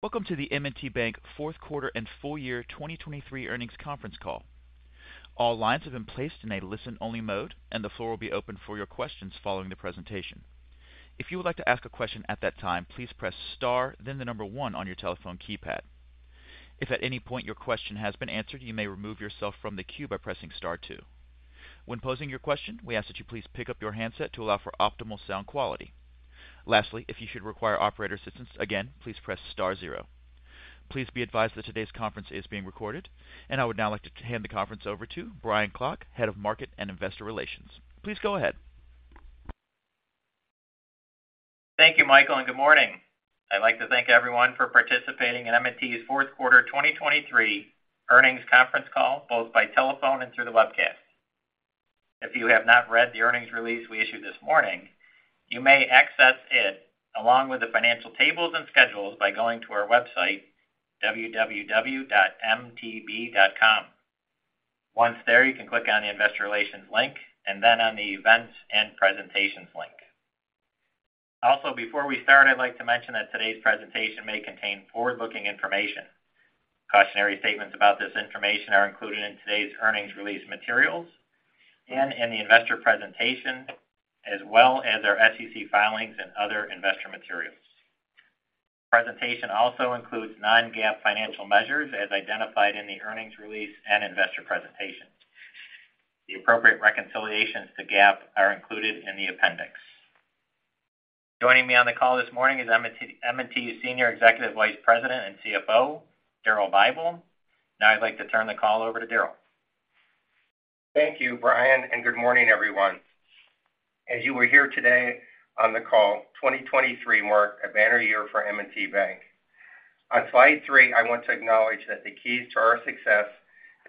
Welcome to the M&T Bank fourth quarter and full year 2023 earnings conference call. All lines have been placed in a listen-only mode, and the floor will be open for your questions following the presentation. If you would like to ask a question at that time, please press star, then the number one on your telephone keypad. If at any point your question has been answered, you may remove yourself from the queue by pressing star two. When posing your question, we ask that you please pick up your handset to allow for optimal sound quality. Lastly, if you should require operator assistance, again, please press star 0. Please be advised that today's conference is being recorded, and I would now like to hand the conference over to Brian Klock, Head of Market and Investor Relations. Please go ahead. Thank you, Michael, and good morning. I'd like to thank everyone for participating in M&T's fourth quarter 2023 earnings conference call, both by telephone and through the webcast. If you have not read the earnings release we issued this morning, you may access it along with the financial tables and schedules by going to our website, www.mtb.com. Once there, you can click on the Investor Relations link and then on the Events and Presentations link. Also, before we start, I'd like to mention that today's presentation may contain forward-looking information. Cautionary statements about this information are included in today's earnings release materials and in the investor presentation, as well as our SEC filings and other investor materials. The presentation also includes non-GAAP financial measures as identified in the earnings release and investor presentation. The appropriate reconciliations to GAAP are included in the appendix. Joining me on the call this morning is M&T's Senior Executive Vice President and CFO, Daryl Bible. Now I'd like to turn the call over to Daryl. Thank you, Brian, and good morning, everyone. As you are here today on the call, 2023 marked a banner year for M&T Bank. On slide 3, I want to acknowledge that the keys to our success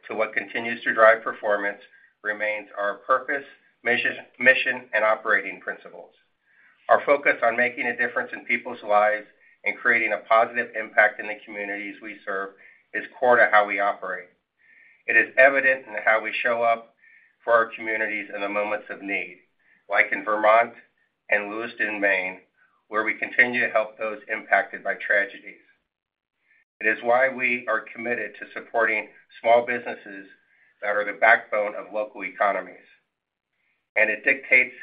to what continues to drive performance remains our purpose, mission, and operating principles. Our focus on making a difference in people's lives and creating a positive impact in the communities we serve is core to how we operate. It is evident in how we show up for our communities in the moments of need, like in Vermont and Lewiston, Maine, where we continue to help those impacted by tragedies. It is why we are committed to supporting small businesses that are the backbone of local economies. And it dictates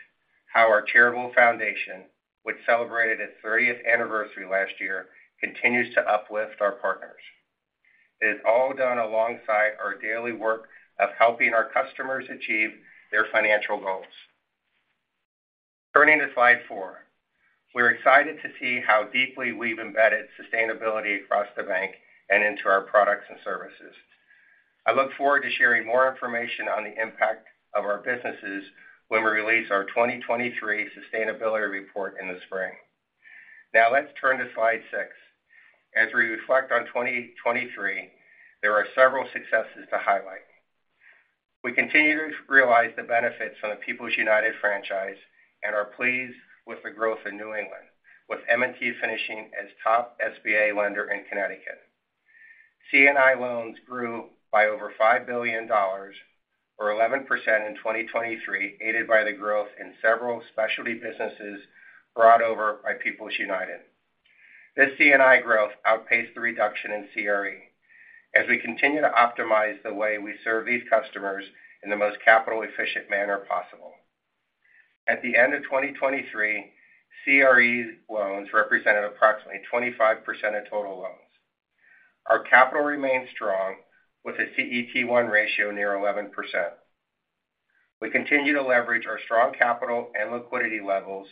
how our charitable foundation, which celebrated its thirtieth anniversary last year, continues to uplift our partners. It is all done alongside our daily work of helping our customers achieve their financial goals. Turning to slide 4. We're excited to see how deeply we've embedded sustainability across the bank and into our products and services. I look forward to sharing more information on the impact of our businesses when we release our 2023 sustainability report in the spring. Now, let's turn to slide 6. As we reflect on 2023, there are several successes to highlight. We continue to realize the benefits from the People's United franchise and are pleased with the growth in New England, with M&T finishing as top SBA lender in Connecticut. C&I loans grew by over $5 billion, or 11% in 2023, aided by the growth in several specialty businesses brought over by People's United. This C&I growth outpaced the reduction in CRE as we continue to optimize the way we serve these customers in the most capital-efficient manner possible. At the end of 2023, CRE loans represented approximately 25% of total loans. Our capital remains strong, with a CET1 ratio near 11%. We continue to leverage our strong capital and liquidity levels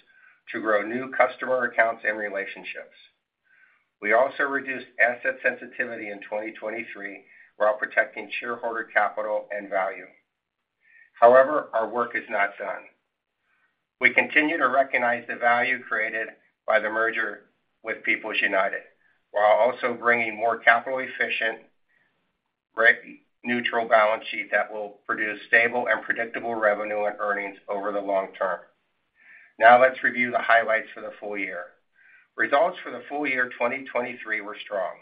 to grow new customer accounts and relationships. We also reduced asset sensitivity in 2023, while protecting shareholder capital and value. However, our work is not done. We continue to recognize the value created by the merger with People's United, while also bringing more capital-efficient, rate-neutral balance sheet that will produce stable and predictable revenue and earnings over the long term. Now, let's review the highlights for the full year. Results for the full year 2023 were strong.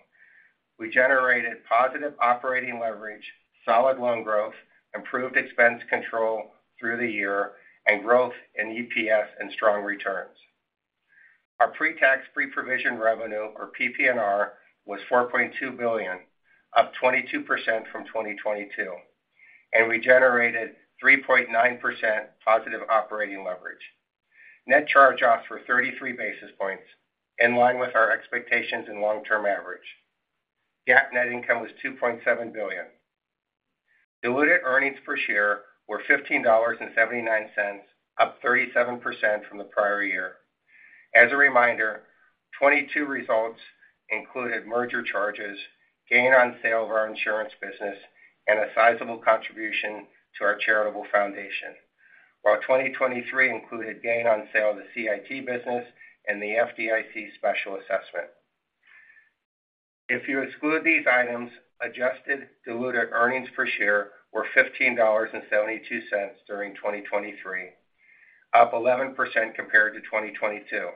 We generated positive operating leverage, solid loan growth, improved expense control through the year, and growth in EPS and strong returns. Our pre-tax, pre-provision revenue, or PPNR, was $4.2 billion, up 22% from 2022, and we generated 3.9% positive operating leverage. Net charge-offs were 33 basis points, in line with our expectations and long-term average. GAAP net income was $2.7 billion. Diluted earnings per share were $15.79, up 37% from the prior year. As a reminder, 2022 results included merger charges, gain on sale of our insurance business, and a sizable contribution to our charitable foundation. While 2023 included gain on sale of the CIT business and the FDIC special assessment. If you exclude these items, adjusted diluted earnings per share were $15.72 during 2023, up 11% compared to 2022.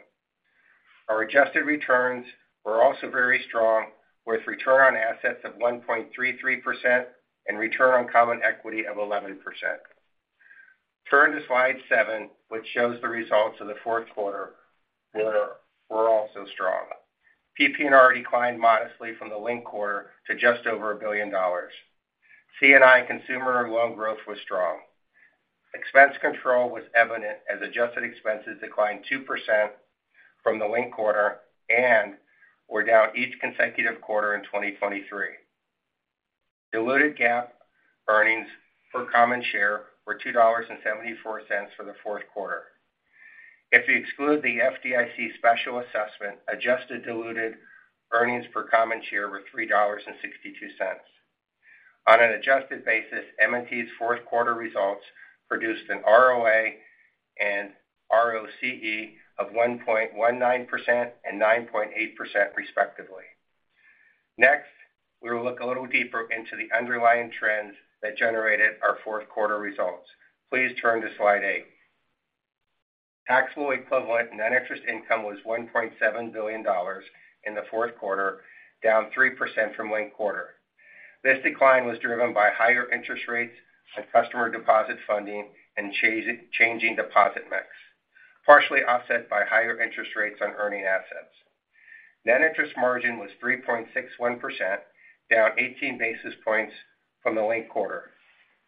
Our adjusted returns were also very strong, with return on assets of 1.33% and return on common equity of 11%. Turn to slide 7, which shows the results of the fourth quarter were also strong. PPNR declined modestly from the linked quarter to just over $1 billion. C&I consumer loan growth was strong. Expense control was evident as adjusted expenses declined 2% from the linked quarter and were down each consecutive quarter in 2023. Diluted GAAP earnings per common share were $2.74 for the fourth quarter. If you exclude the FDIC special assessment, adjusted diluted earnings per common share were $3.62. On an adjusted basis, M&T's fourth quarter results produced an ROA and ROCE of 1.19% and 9.8%, respectively. Next, we will look a little deeper into the underlying trends that generated our fourth quarter results. Please turn to slide 8. Taxable equivalent net interest income was $1.7 billion in the fourth quarter, down 3% from linked quarter. This decline was driven by higher interest rates on customer deposit funding and changing deposit mix, partially offset by higher interest rates on earning assets. Net interest margin was 3.61%, down 18 basis points from the linked quarter.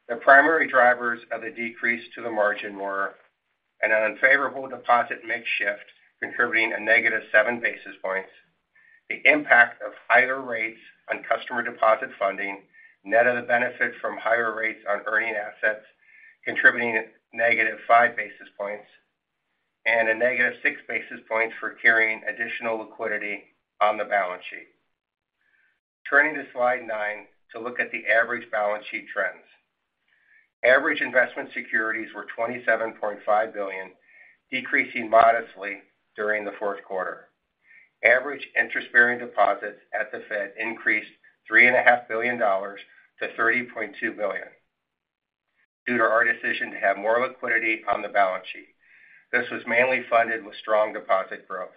The primary drivers of the decrease to the margin were an unfavorable deposit mix shift, contributing a negative 7 basis points, the impact of higher rates on customer deposit funding, net of the benefit from higher rates on earning assets, contributing negative 5 basis points, and a negative 6 basis points for carrying additional liquidity on the balance sheet. Turning to slide nine to look at the average balance sheet trends. Average investment securities were $27.5 billion, decreasing modestly during the fourth quarter. Average interest-bearing deposits at the Fed increased $3.5 billion to $30.2 billion due to our decision to have more liquidity on the balance sheet. This was mainly funded with strong deposit growth.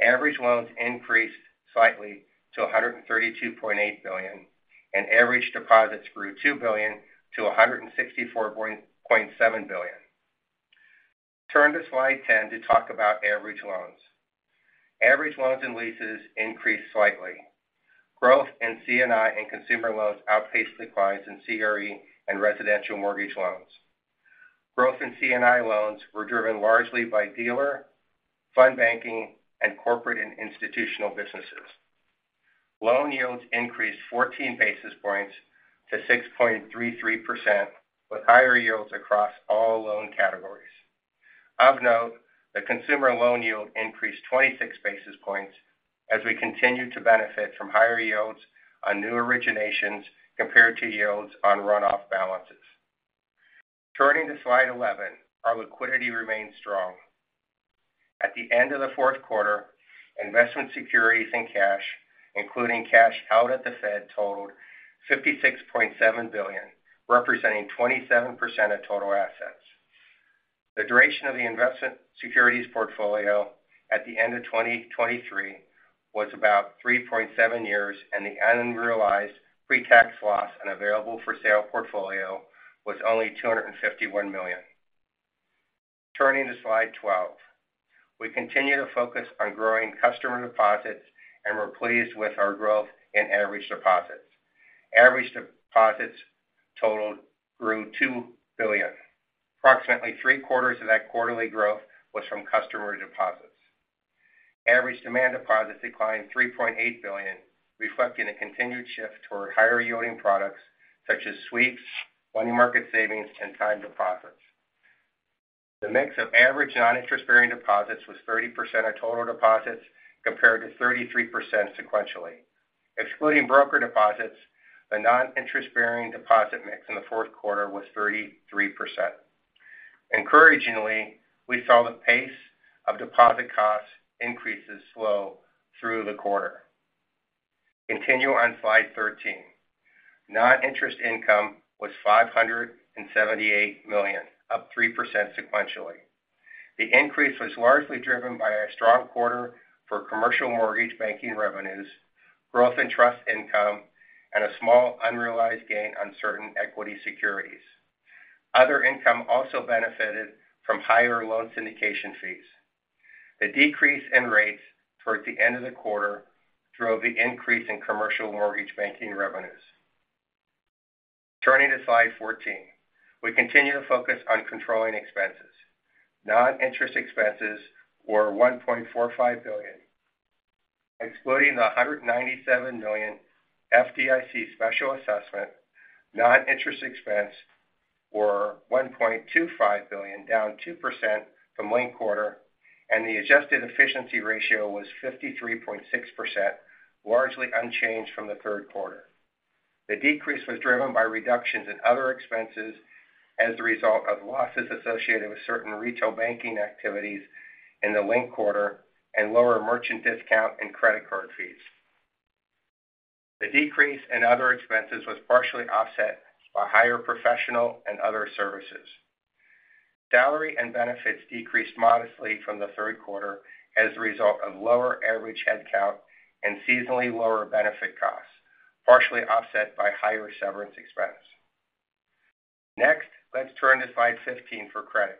Average loans increased slightly to $132.8 billion, and average deposits grew $2 billion to $164.7 billion. Turn to slide 10 to talk about average loans. Average loans and leases increased slightly. Growth in C&I and consumer loans outpaced declines in CRE and residential mortgage loans. Growth in C&I loans were driven largely by dealer, fund banking, and corporate and institutional businesses. Loan yields increased 14 basis points to 6.33%, with higher yields across all loan categories. Of note, the consumer loan yield increased 26 basis points as we continued to benefit from higher yields on new originations compared to yields on runoff balances. Turning to slide 11, our liquidity remains strong. At the end of the fourth quarter, investment securities and cash, including cash out at the Fed, totaled $56.7 billion, representing 27% of total assets. The duration of the investment securities portfolio at the end of 2023 was about 3.7 years, and the unrealized pre-tax loss and available for sale portfolio was only $251 million. Turning to slide 12. We continue to focus on growing customer deposits and we're pleased with our growth in average deposits. Average deposits total grew $2 billion. Approximately three quarters of that quarterly growth was from customer deposits. Average demand deposits declined $3.8 billion, reflecting a continued shift toward higher-yielding products such as sweeps, money market savings, and time deposits. The mix of average non-interest-bearing deposits was 30% of total deposits, compared to 33% sequentially. Excluding broker deposits, the non-interest-bearing deposit mix in the fourth quarter was 33%. Encouragingly, we saw the pace of deposit cost increases slow through the quarter. Continue on slide 13. Non-interest income was $578 million, up 3% sequentially. The increase was largely driven by a strong quarter for commercial mortgage banking revenues, growth in trust income, and a small unrealized gain on certain equity securities. Other income also benefited from higher loan syndication fees. The decrease in rates towards the end of the quarter drove the increase in commercial mortgage banking revenues. Turning to slide 14. We continue to focus on controlling expenses. Non-interest expenses were $1.45 billion. Excluding the $197 million FDIC special assessment, non-interest expense were $1.25 billion, down 2% from linked quarter, and the adjusted efficiency ratio was 53.6%, largely unchanged from the third quarter. The decrease was driven by reductions in other expenses as a result of losses associated with certain retail banking activities in the linked quarter and lower merchant discount and credit card fees. The decrease in other expenses was partially offset by higher professional and other services. Salary and benefits decreased modestly from the third quarter as a result of lower average headcount and seasonally lower benefit costs, partially offset by higher severance expense. Next, let's turn to slide 15 for credit.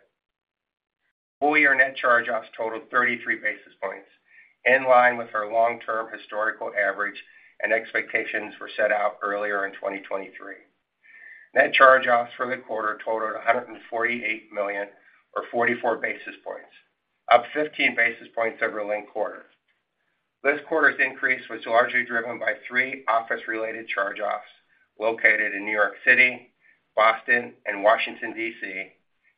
Full-year net charge-offs totaled 33 basis points, in line with our long-term historical average, and expectations were set out earlier in 2023. Net charge-offs for the quarter totaled $148 million, or 44 basis points, up 15 basis points over linked quarter. This quarter's increase was largely driven by three office-related charge-offs located in New York City, Boston, and Washington, D.C.,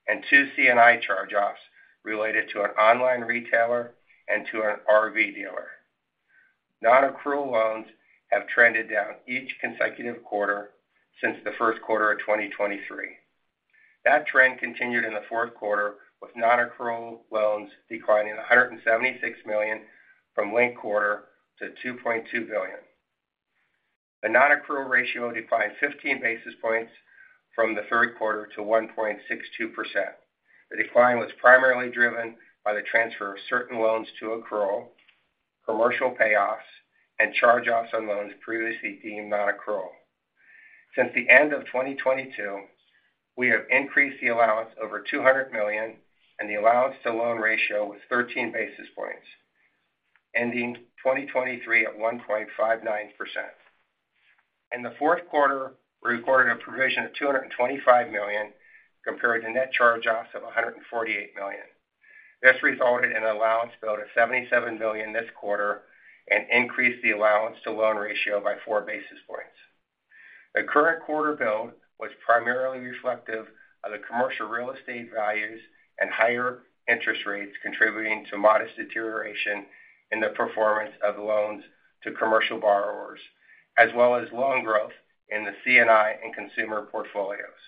and two C&I charge-offs related to an online retailer and to an RV dealer. Nonaccrual loans have trended down each consecutive quarter since the first quarter of 2023. That trend continued in the fourth quarter, with nonaccrual loans declining $176 million from linked quarter to $2.2 billion. The nonaccrual ratio declined 15 basis points from the third quarter to 1.62%. The decline was primarily driven by the transfer of certain loans to accrual, commercial payoffs, and charge-offs on loans previously deemed nonaccrual. Since the end of 2022, we have increased the allowance over $200 million, and the allowance to loan ratio was 13 basis points, ending 2023 at 1.59%. In the fourth quarter, we recorded a provision of $225 million compared to net charge-offs of $148 million. This resulted in an allowance build of $77 million this quarter and increased the allowance to loan ratio by 4 basis points. The current quarter build was primarily reflective of the commercial real estate values and higher interest rates, contributing to modest deterioration in the performance of loans to commercial borrowers, as well as loan growth in the C&I and consumer portfolios.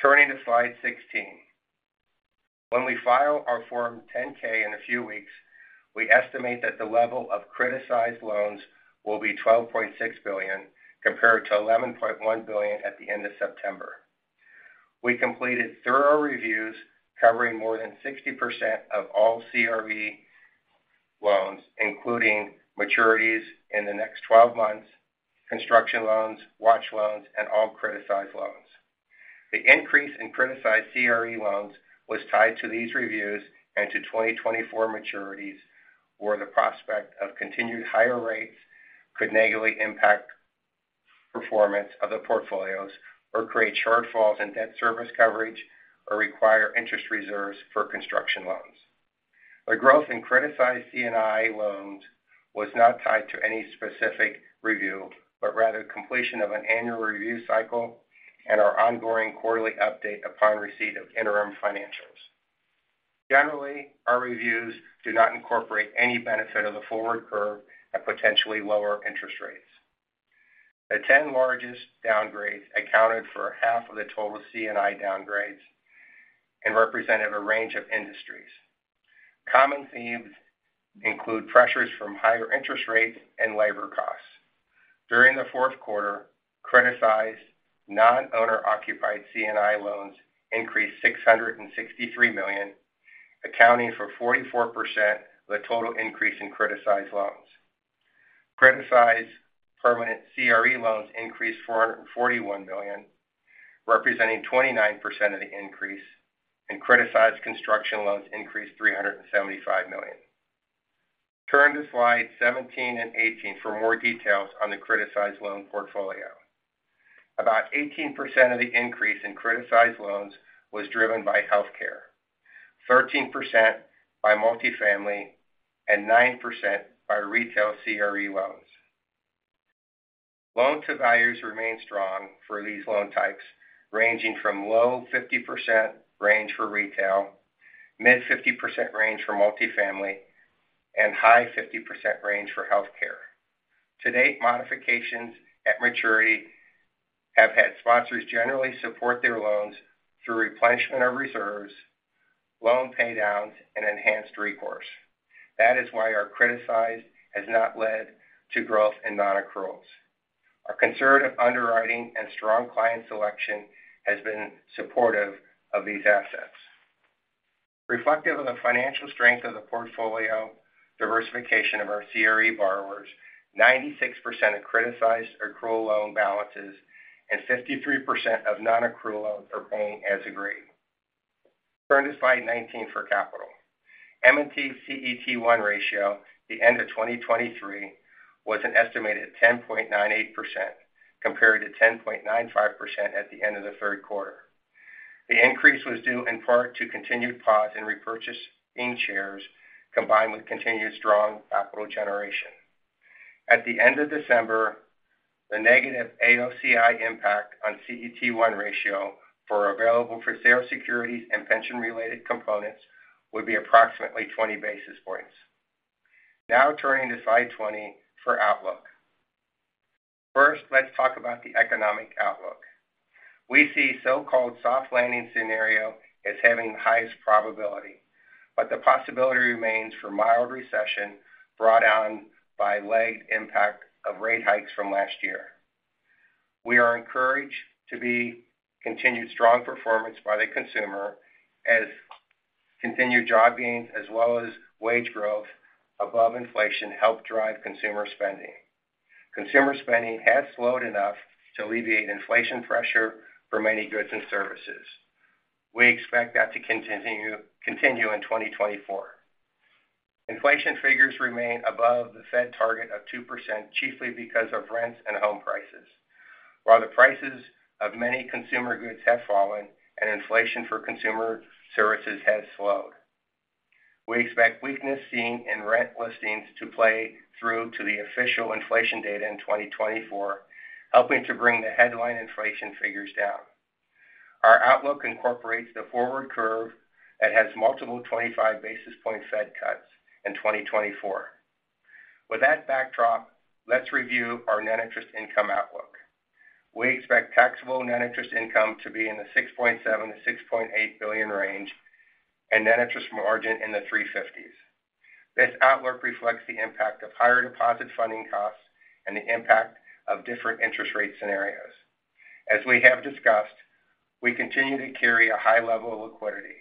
Turning to slide 16. When we file our Form 10-K in a few weeks, we estimate that the level of criticized loans will be $12.6 billion, compared to $11.1 billion at the end of September. We completed thorough reviews covering more than 60% of all CRE loans, including maturities in the next 12 months, construction loans, watch loans, and all criticized loans. The increase in criticized CRE loans was tied to these reviews and to 2024 maturities, where the prospect of continued higher rates could negatively impact performance of the portfolios or create shortfalls in debt service coverage, or require interest reserves for construction loans. The growth in criticized C&I loans was not tied to any specific review, but rather completion of an annual review cycle and our ongoing quarterly update upon receipt of interim financials. Generally, our reviews do not incorporate any benefit of the forward curve at potentially lower interest rates. The 10 largest downgrades accounted for half of the total C&I downgrades and represented a range of industries. Common themes include pressures from higher interest rates and labor costs. During the fourth quarter, criticized non-owner-occupied C&I loans increased $663 million, accounting for 44% of the total increase in criticized loans. Criticized permanent CRE loans increased $441 million, representing 29% of the increase, and criticized construction loans increased $375 million. Turn to slide 17 and 18 for more details on the criticized loan portfolio. About 18% of the increase in criticized loans was driven by healthcare, 13% by multifamily, and 9% by retail CRE loans. Loan to values remain strong for these loan types, ranging from low 50% range for retail, mid 50% range for multifamily, and high 50% range for healthcare. To date, modifications at maturity have had sponsors generally support their loans through replenishment of reserves, loan paydowns, and enhanced recourse. That is why our criticized has not led to growth in nonaccruals. Our conservative underwriting and strong client selection has been supportive of these assets. Reflective of the financial strength of the portfolio diversification of our CRE borrowers, 96% of criticized accrual loan balances and 53% of nonaccrual loans are paying as agreed. Turn to slide 19 for capital. M&T CET1 ratio at the end of 2023 was an estimated 10.98%, compared to 10.95% at the end of the third quarter. The increase was due in part to continued pause in repurchasing shares, combined with continued strong capital generation. At the end of December, the negative AOCI impact on CET1 ratio for available for sale securities and pension-related components would be approximately 20 basis points. Now turning to slide 20 for outlook. First, let's talk about the economic outlook. We see so-called soft landing scenario as having the highest probability, but the possibility remains for mild recession brought on by lagged impact of rate hikes from last year. We are encouraged by the continued strong performance by the consumer as continued job gains, as well as wage growth above inflation, help drive consumer spending. Consumer spending has slowed enough to alleviate inflation pressure for many goods and services. We expect that to continue, continue in 2024. Inflation figures remain above the Fed target of 2%, chiefly because of rents and home prices. While the prices of many consumer goods have fallen and inflation for consumer services has slowed, we expect weakness seen in rent listings to play through to the official inflation data in 2024, helping to bring the headline inflation figures down. Our outlook incorporates the forward curve that has multiple 25 basis point Fed cuts in 2024. With that backdrop, let's review our net interest income outlook. We expect taxable net interest income to be in the $6.7 billion-$6.8 billion range, and net interest margin in the 3.50%-3.59%. This outlook reflects the impact of higher deposit funding costs and the impact of different interest rate scenarios. As we have discussed, we continue to carry a high level of liquidity.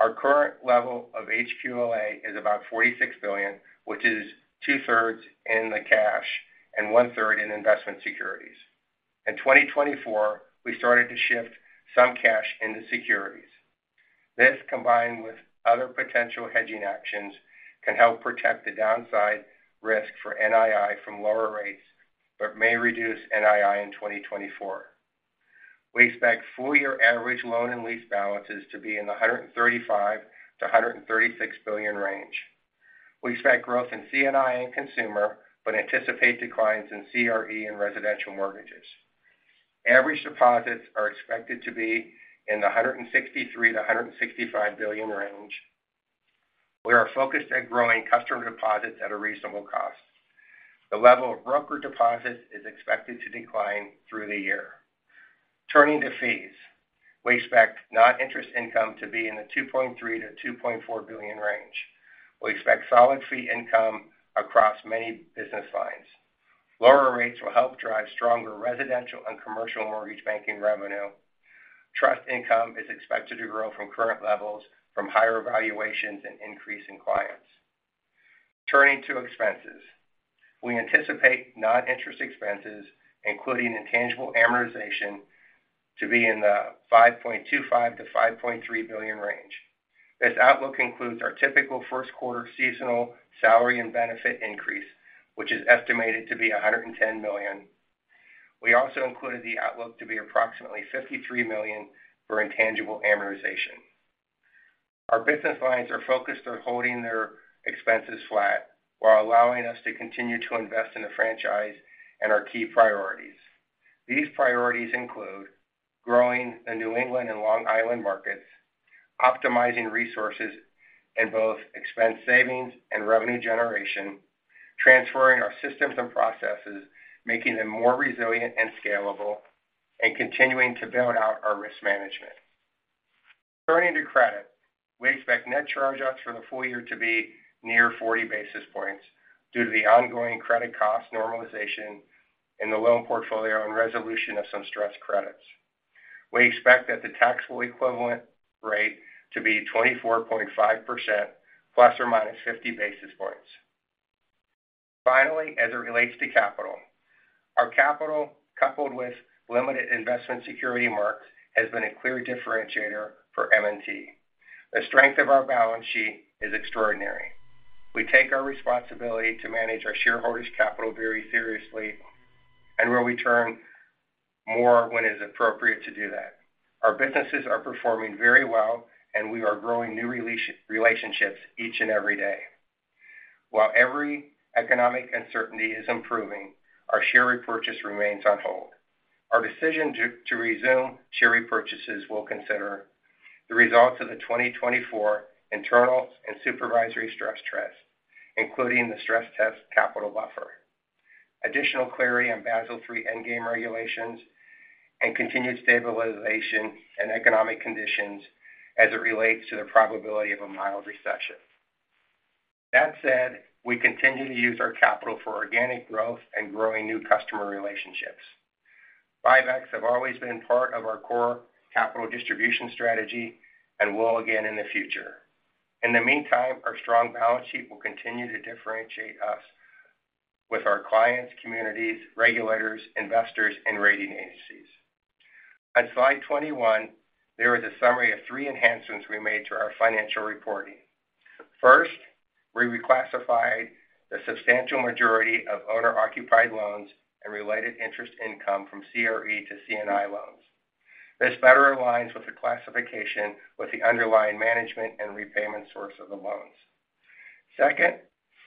Our current level of HQLA is about $46 billion, which is two-thirds in the cash and one-third in investment securities. In 2024, we started to shift some cash into securities. This, combined with other potential hedging actions, can help protect the downside risk for NII from lower rates, but may reduce NII in 2024. We expect full year average loan and lease balances to be in the $135 billion-$136 billion range. We expect growth in C&I and consumer, but anticipate declines in CRE and residential mortgages. Average deposits are expected to be in the $163 billion-$165 billion range. We are focused at growing customer deposits at a reasonable cost. The level of broker deposits is expected to decline through the year. Turning to fees, we expect non-interest income to be in the $2.3 billion-$2.4 billion range. We expect solid fee income across many business lines. Lower rates will help drive stronger residential and commercial mortgage banking revenue. Trust income is expected to grow from current levels from higher valuations and increase in clients. Turning to expenses, we anticipate non-interest expenses, including intangible amortization, to be in the $5.25 billion-$5.3 billion range. This outlook includes our typical first quarter seasonal salary and benefit increase, which is estimated to be $110 million. We also included the outlook to be approximately $53 million for intangible amortization. Our business lines are focused on holding their expenses flat while allowing us to continue to invest in the franchise and our key priorities. These priorities include growing the New England and Long Island markets, optimizing resources in both expense savings and revenue generation, transferring our systems and processes, making them more resilient and scalable, and continuing to build out our risk management. Turning to credit, we expect net charge-offs for the full year to be near 40 basis points due to the ongoing credit cost normalization in the loan portfolio and resolution of some stress credits. We expect that the taxable equivalent rate to be 24.5% ±50 basis points. Finally, as it relates to capital, our capital, coupled with limited investment security marks, has been a clear differentiator for M&T. The strength of our balance sheet is extraordinary. We take our responsibility to manage our shareholders' capital very seriously, and will return more when it is appropriate to do that. Our businesses are performing very well, and we are growing new relationships each and every day. While every economic uncertainty is improving, our share repurchase remains on hold. Our decision to resume share repurchases will consider the results of the 2024 internal and supervisory stress tests, including the Stress Capital Buffer, additional clarity on Basel III Endgame regulations, and continued stabilization and economic conditions as it relates to the probability of a mild recession. That said, we continue to use our capital for organic growth and growing new customer relationships. Buybacks have always been part of our core capital distribution strategy and will again in the future. In the meantime, our strong balance sheet will continue to differentiate us with our clients, communities, regulators, investors, and rating agencies. On slide 21, there is a summary of three enhancements we made to our financial reporting. First, we reclassified the substantial majority of owner-occupied loans and related interest income from CRE to C&I loans. This better aligns with the classification with the underlying management and repayment source of the loans. Second,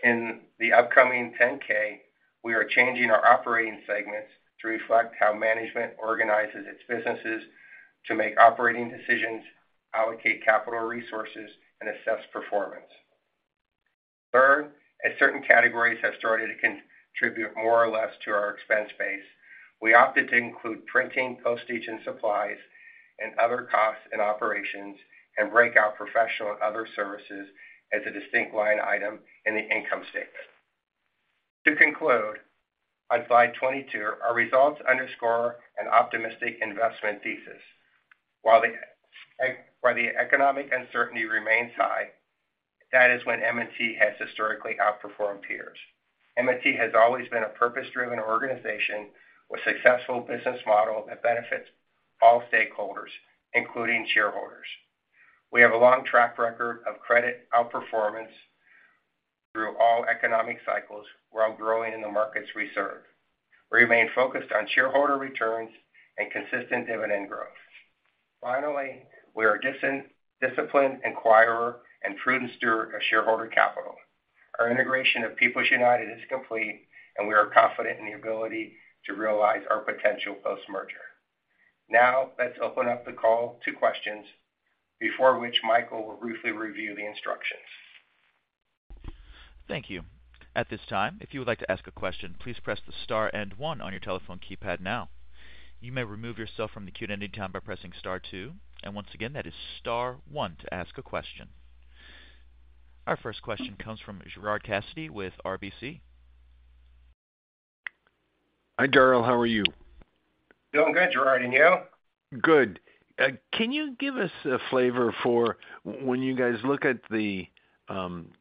in the upcoming 10-K, we are changing our operating segments to reflect how management organizes its businesses to make operating decisions, allocate capital resources, and assess performance. Third, as certain categories have started to contribute more or less to our expense base, we opted to include printing, postage, and supplies and other costs and operations, and break out professional and other services as a distinct line item in the income statement. To conclude, on slide 22, our results underscore an optimistic investment thesis. While the economic uncertainty remains high, that is when M&T has historically outperformed peers. M&T has always been a purpose-driven organization with successful business model that benefits all stakeholders, including shareholders. We have a long track record of credit outperformance through all economic cycles while growing in the markets we serve. We remain focused on shareholder returns and consistent dividend growth. Finally, we are a disciplined acquirer and prudent steward of shareholder capital. Our integration of People's United is complete, and we are confident in the ability to realize our potential post-merger. Now, let's open up the call to questions, before which Michael will briefly review the instructions. Thank you. At this time, if you would like to ask a question, please press the star and one on your telephone keypad now. You may remove yourself from the queue at any time by pressing star two. And once again, that is star one to ask a question. Our first question comes from Gerard Cassidy with RBC. Hi, Daryl. How are you? Doing good, Gerard, and you? Good. Can you give us a flavor for when you guys look at the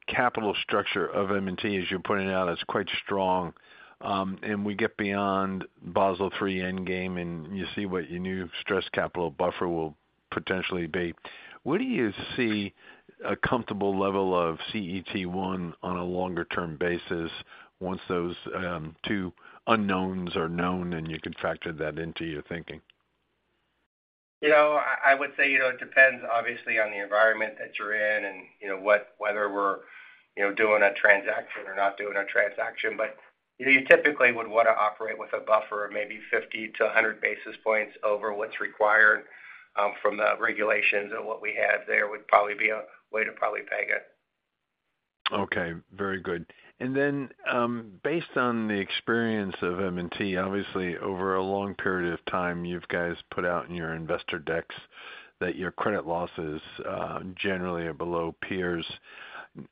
capital structure of M&T, as you're pointing out, it's quite strong, and we get beyond Basel III Endgame, and you see what your new stress capital buffer will potentially be. What do you see a comfortable level of CET1 on a longer-term basis once those two unknowns are known, and you can factor that into your thinking? You know, I would say, you know, it depends, obviously, on the environment that you're in, and, you know, whether we're, you know, doing a transaction or not doing a transaction. But, you know, you typically would want to operate with a buffer of maybe 50-100 basis points over what's required from the regulations. And what we have there would probably be a way to probably peg it. Okay, very good. And then, based on the experience of M&T, obviously, over a long period of time, you've guys put out in your investor decks that your credit losses, generally, are below peers.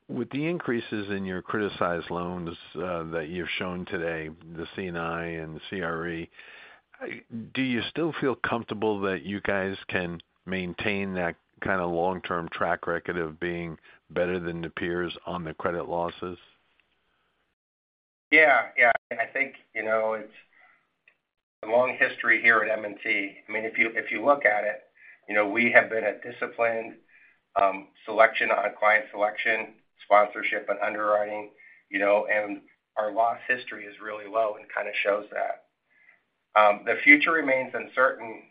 With the increases in your criticized loans, that you've shown today, the C&I and CRE, do you still feel comfortable that you guys can maintain that kind of long-term track record of being better than the peers on the credit losses? Yeah. Yeah, I think, you know, it's a long history here at M&T. I mean, if you, if you look at it, you know, we have been a disciplined selection on client selection, sponsorship, and underwriting, you know, and our loss history is really low and kind of shows that. The future remains uncertain,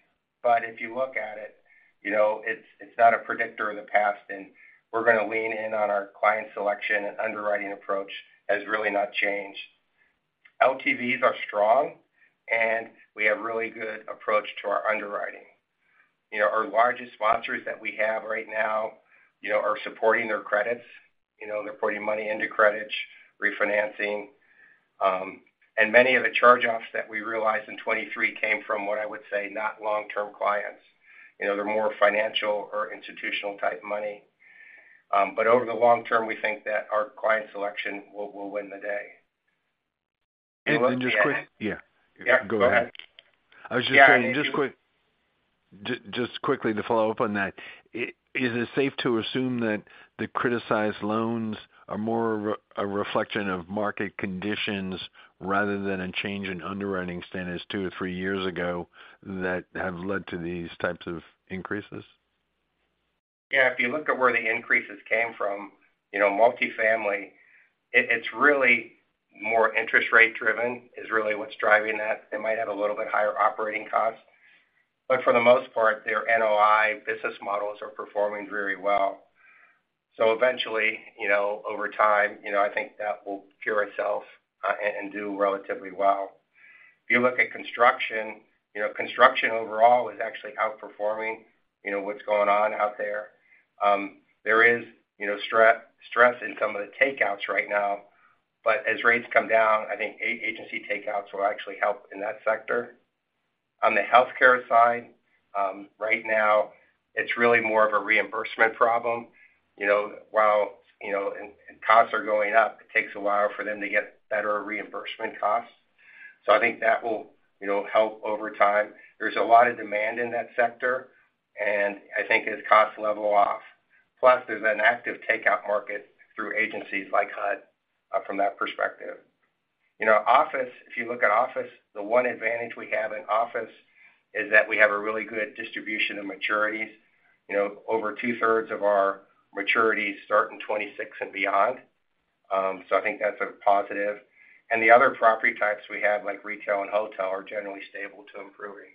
but if you look at it, you know, it's, it's not a predictor of the past, and we're going to lean in on our client selection and underwriting approach has really not changed. LTVs are strong, and we have really good approach to our underwriting. You know, our largest sponsors that we have right now, you know, are supporting their credits. You know, they're putting money into credits, refinancing. And many of the charge-offs that we realized in 2023 came from what I would say, not long-term clients. You know, they're more financial or institutional type money. But over the long term, we think that our client selection will win the day. Then just quick, yeah. Yeah, go ahead. I was just saying, just quickly to follow up on that. Is it safe to assume that the criticized loans are more a reflection of market conditions rather than a change in underwriting standards two to three years ago that have led to these types of increases? Yeah. If you look at where the increases came from, you know, multifamily, it's really more interest rate driven, is really what's driving that. They might have a little bit higher operating costs, but for the most part, their NOI business models are performing very well. So eventually, you know, over time, you know, I think that will cure itself, and do relatively well. If you look at construction, you know, construction overall is actually outperforming, you know, what's going on out there. There is, you know, stress in some of the takeouts right now, but as rates come down, I think agency takeouts will actually help in that sector. On the healthcare side, right now, it's really more of a reimbursement problem. You know, while, you know, and costs are going up, it takes a while for them to get better reimbursement costs. So I think that will, you know, help over time. There's a lot of demand in that sector, and I think as costs level off, plus, there's an active takeout market through agencies like HUD from that perspective. You know, office, if you look at office, the one advantage we have in office is that we have a really good distribution of maturities. You know, over two-thirds of our maturities start in 2026 and beyond. So I think that's a positive. And the other property types we have, like retail and hotel, are generally stable to improving.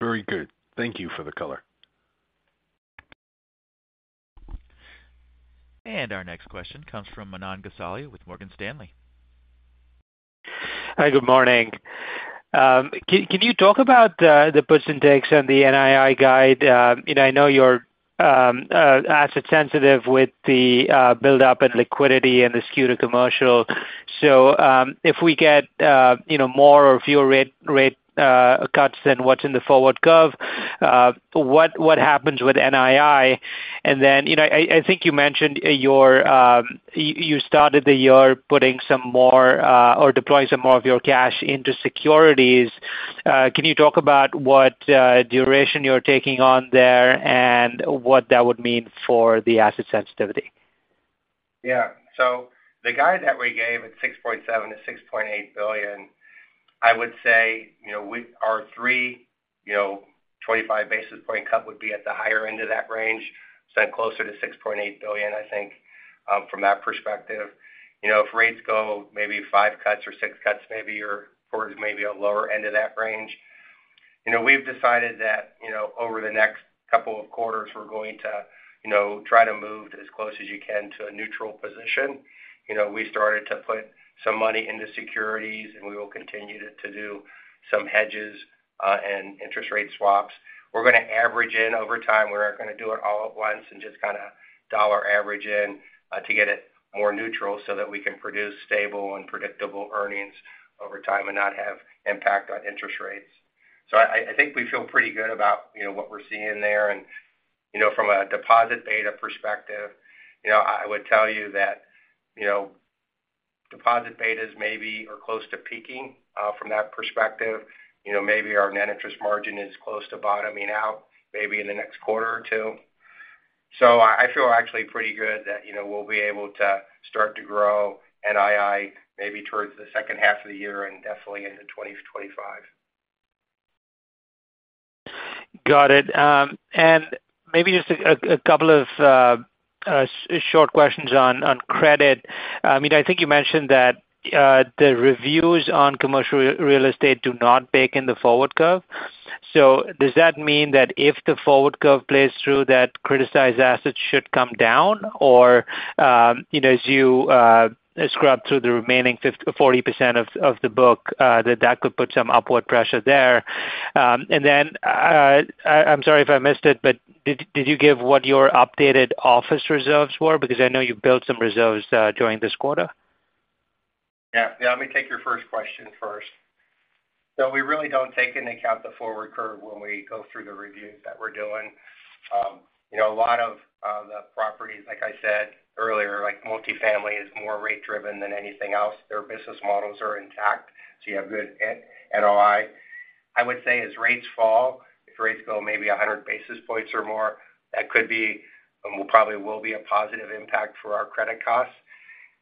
Very good. Thank you for the color. Our next question comes from Manan Gosalia with Morgan Stanley. Hi, good morning. Can you talk about the puts and takes on the NII guide? You know, I know you're asset sensitive with the buildup in liquidity and the skew to commercial. So, if we get you know, more or fewer rate cuts than what's in the forward curve, what happens with NII? And then, you know, I think you mentioned your you started the year putting some more or deploying some more of your cash into securities. Can you talk about what duration you're taking on there and what that would mean for the asset sensitivity? Yeah. So the guide that we gave at $6.7 billion-$6.8 billion, I would say, you know, our three, you know, 25 basis point cut would be at the higher end of that range, so closer to $6.8 billion, I think, from that perspective. You know, if rates go maybe 5 cuts or 6 cuts, maybe you're towards maybe a lower end of that range. You know, we've decided that, you know, over the next couple of quarters, we're going to, you know, try to move as close as you can to a neutral position. You know, we started to put some money into securities, and we will continue to do some hedges, and interest rate swaps. We're gonna average in over time. We're not gonna do it all at once and just kind of dollar average in, to get it more neutral so that we can produce stable and predictable earnings over time and not have impact on interest rates. So I think we feel pretty good about, you know, what we're seeing there. And, you know, from a deposit beta perspective, you know, I would tell you that, you know, deposit betas maybe are close to peaking, from that perspective. You know, maybe our net interest margin is close to bottoming out, maybe in the next quarter or two. So I feel actually pretty good that, you know, we'll be able to start to grow NII, maybe towards the second half of the year and definitely into 25. Got it. And maybe just a couple of short questions on credit. I mean, I think you mentioned that the reviews on commercial real estate do not bake in the forward curve. So does that mean that if the forward curve plays through, that criticized assets should come down? Or, you know, as you scrub through the remaining 40% of the book, that could put some upward pressure there. And then, I'm sorry if I missed it, but did you give what your updated office reserves were? Because I know you built some reserves during this quarter. Yeah. Yeah, let me take your first question first. So we really don't take into account the forward curve when we go through the reviews that we're doing. You know, a lot of the properties, like I said earlier, like multifamily, is more rate driven than anything else. Their business models are intact, so you have good NOI. I would say as rates fall, if rates go maybe 100 basis points or more, that could be, and probably will be, a positive impact for our credit costs.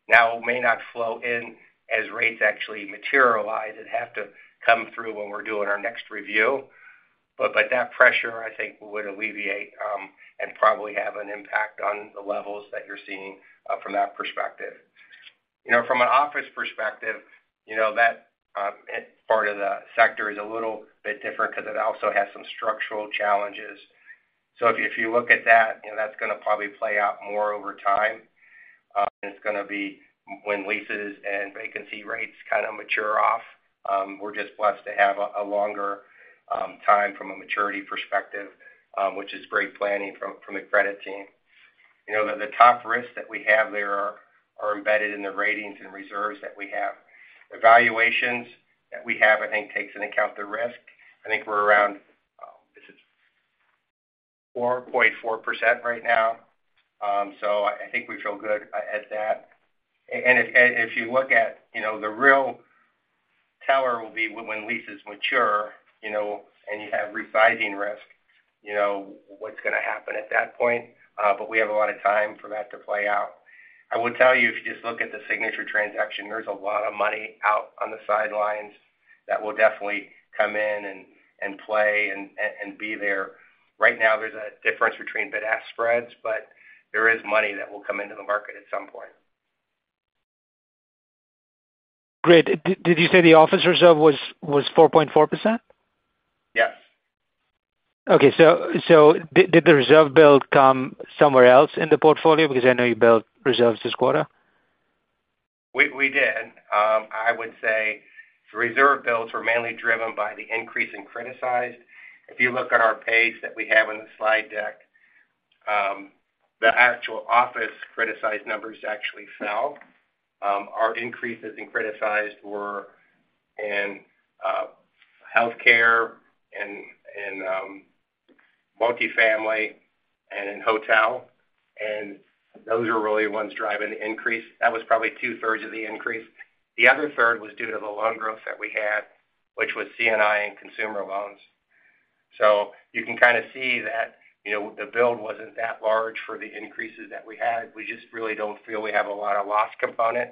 Now, it may not flow in as rates actually materialize. It'd have to come through when we're doing our next review. But that pressure, I think, would alleviate, and probably have an impact on the levels that you're seeing from that perspective. You know, from an office perspective, you know, that part of the sector is a little bit different because it also has some structural challenges. So if you, if you look at that, you know, that's gonna probably play out more over time. It's gonna be when leases and vacancy rates kind of mature off. We're just blessed to have a longer time from a maturity perspective, which is great planning from the credit team. You know, the top risks that we have there are embedded in the ratings and reserves that we have. Evaluations that we have, I think, takes into account the risk. I think we're around, is it 4.4% right now? So I think we feel good at that. And if you look at, you know, the real tell will be when leases mature, you know, and you have re-sizing risk, you know, what's gonna happen at that point? But we have a lot of time for that to play out. I will tell you, if you just look at the Signature transaction, there's a lot of money out on the sidelines that will definitely come in and play and be there. Right now, there's a difference between bid-ask spreads, but there is money that will come into the market at some point. Great. Did you say the office reserve was 4.4%? Yes. Okay, so did the reserve build come somewhere else in the portfolio? Because I know you built reserves this quarter. We did. I would say the reserve builds were mainly driven by the increase in criticized. If you look at our page that we have in the slide deck, the actual office criticized numbers actually fell. Our increases in criticized were in healthcare and multifamily and in hotel, and those are really the ones driving the increase. That was probably 2/3 of the increase. The other third was due to the loan growth that we had, which was C&I and consumer loans. So you can kind of see that, you know, the build wasn't that large for the increases that we had. We just really don't feel we have a lot of loss component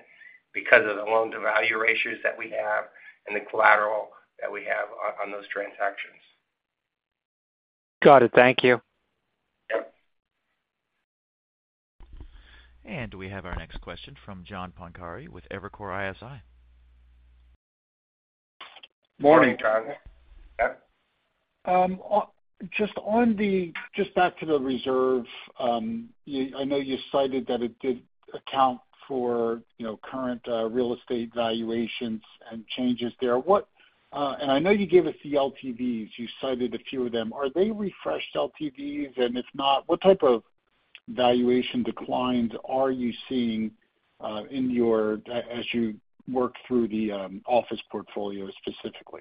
because of the loan-to-value ratios that we have and the collateral that we have on those transactions. Got it. Thank you. Yep. We have our next question from John Pancari with Evercore ISI. Morning, John. Yep. Just back to the reserve, I know you cited that it did account for, you know, current real estate valuations and changes there. What, and I know you gave us the LTVs, you cited a few of them. Are they refreshed LTVs? And if not, what type of valuation declines are you seeing as you work through the office portfolio specifically?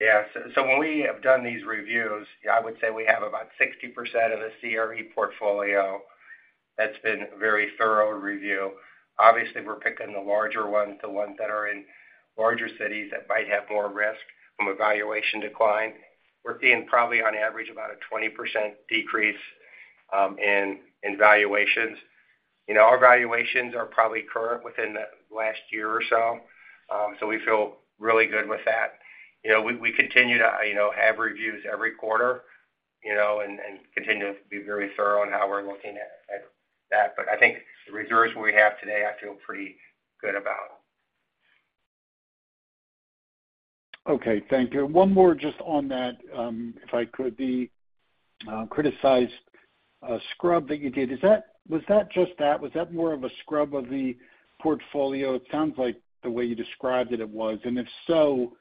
Yeah. So, so when we have done these reviews, I would say we have about 60% of the CRE portfolio that's been very thorough review. Obviously, we're picking the larger ones, the ones that are in larger cities that might have more risk from a valuation decline. We're seeing probably on average, about a 20% decrease in valuations. You know, our valuations are probably current within the last year or so, so we feel really good with that. You know, we continue to, you know, have reviews every quarter, you know, and continue to be very thorough in how we're looking at that. But I think the reserves we have today, I feel pretty good about. Okay, thank you. One more just on that, if I could. The criticized scrub that you did, was that just that? Was that more of a scrub of the portfolio? It sounds like the way you described it, it was. And if so,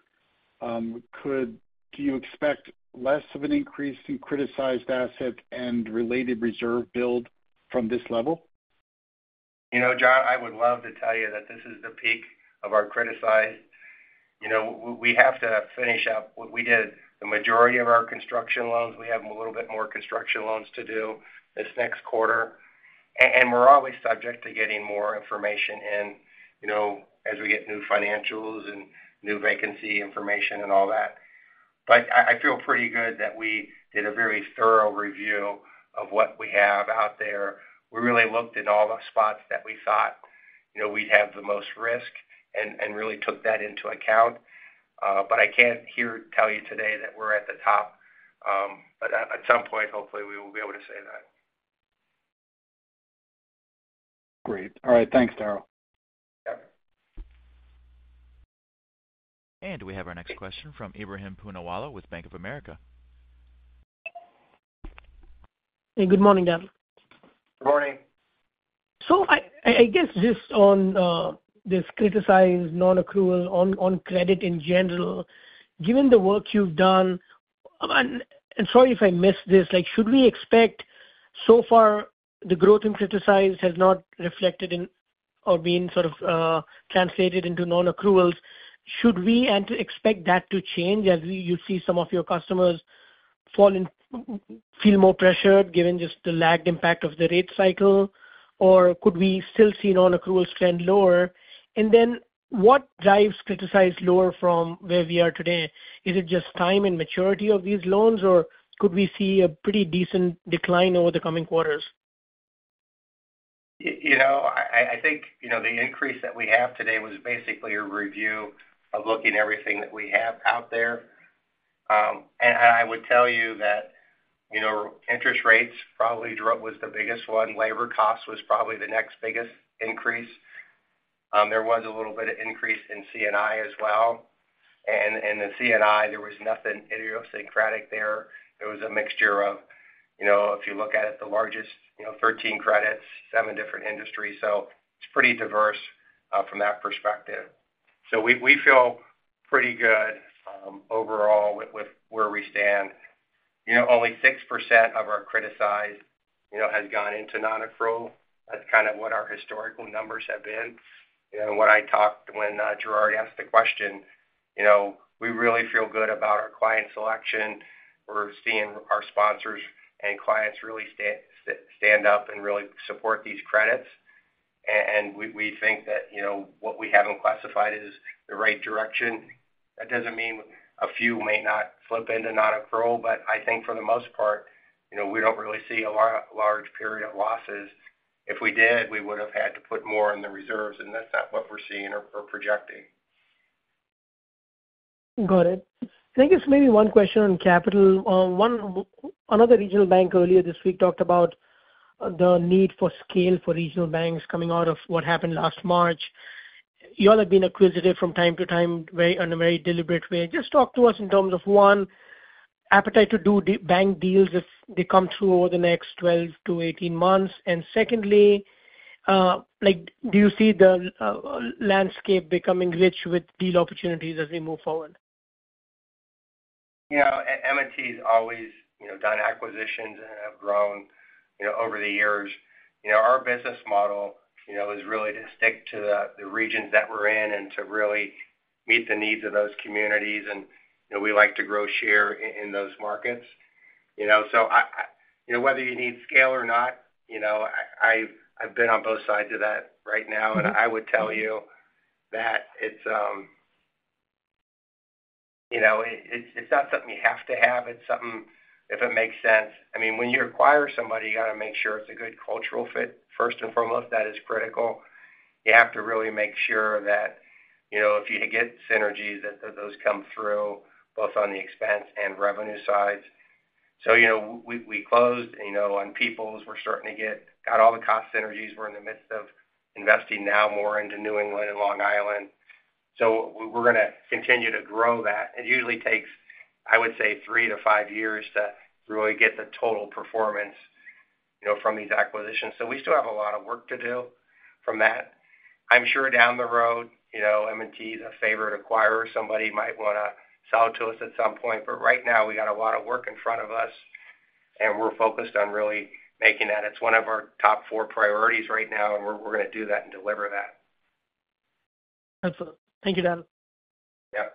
do you expect less of an increase in criticized asset and related reserve build from this level? You know, John, I would love to tell you that this is the peak of our criticized. You know, we have to finish up what we did. The majority of our construction loans, we have a little bit more construction loans to do this next quarter. And we're always subject to getting more information and, you know, as we get new financials and new vacancy information and all that. But I, I feel pretty good that we did a very thorough review of what we have out there. We really looked in all the spots that we thought, you know, we'd have the most risk and, and really took that into account. But I can't here tell you today that we're at the top. But at, at some point, hopefully, we will be able to say that. Great. All right. Thanks, Daryl. Yeah. We have our next question from Ebrahim Poonawala with Bank of America. Hey, good morning, Daryl. Good morning. So I guess just on this criticized nonaccrual on credit in general, given the work you've done, and sorry if I missed this, like, should we expect so far the growth in criticized has not reflected in or been sort of translated into nonaccruals? Should we expect that to change as you see some of your customers feel more pressured, given just the lagged impact of the rate cycle? Or could we still see nonaccrual trend lower? And then, what drives criticized lower from where we are today? Is it just time and maturity of these loans, or could we see a pretty decent decline over the coming quarters? You know, I think, you know, the increase that we have today was basically a review of looking everything that we have out there. And I would tell you that, you know, interest rates probably drop was the biggest one. Labor cost was probably the next biggest increase. There was a little bit of increase in C&I as well. And in the C&I, there was nothing idiosyncratic there. It was a mixture of, you know, if you look at it, the largest, you know, 13 credits, seven different industries, so it's pretty diverse, from that perspective. So we, we feel pretty good, overall with, with where we stand. You know, only 6% of our criticized, you know, has gone into nonaccrual. That's kind of what our historical numbers have been. You know, when Gerard asked the question, you know, we really feel good about our client selection. We're seeing our sponsors and clients really stand up and really support these credits. And we think that, you know, what we have in classified is the right direction. That doesn't mean a few may not flip into nonaccrual, but I think for the most part, you know, we don't really see a large period of losses. If we did, we would have had to put more in the reserves, and that's not what we're seeing or projecting. Got it. I think it's maybe one question on capital. Another regional bank earlier this week talked about the need for scale for regional banks coming out of what happened last March. You all have been acquisitive from time to time, on a very deliberate way. Just talk to us in terms of, one, appetite to do bank deals if they come through over the next 12-18 months. And secondly, like, do you see the landscape becoming rich with deal opportunities as we move forward? You know, M&T's always, you know, done acquisitions and have grown, you know, over the years. You know, our business model, you know, is really to stick to the, the regions that we're in and to really meet the needs of those communities, and, you know, we like to grow share in those markets. You know, so I, you know, whether you need scale or not, you know, I, I've been on both sides of that right now. Mm-hmm. I would tell you that it's, you know, it's not something you have to have. It's something if it makes sense. I mean, when you acquire somebody, you got to make sure it's a good cultural fit, first and foremost, that is critical. You have to really make sure that, you know, if you get synergies, that those come through, both on the expense and revenue sides. So, you know, we closed, you know, on People's. We've got all the cost synergies. We're in the midst of investing now more into New England and Long Island. So we're gonna continue to grow that. It usually takes, I would say, three to five years to really get the total performance, you know, from these acquisitions. So we still have a lot of work to do from that. I'm sure down the road, you know, M&T is a favorite acquirer. Somebody might wanna sell to us at some point, but right now, we got a lot of work in front of us, and we're focused on really making that. It's one of our top four priorities right now, and we're, we're gonna do that and deliver that. Excellent. Thank you, Daryl. Yeah.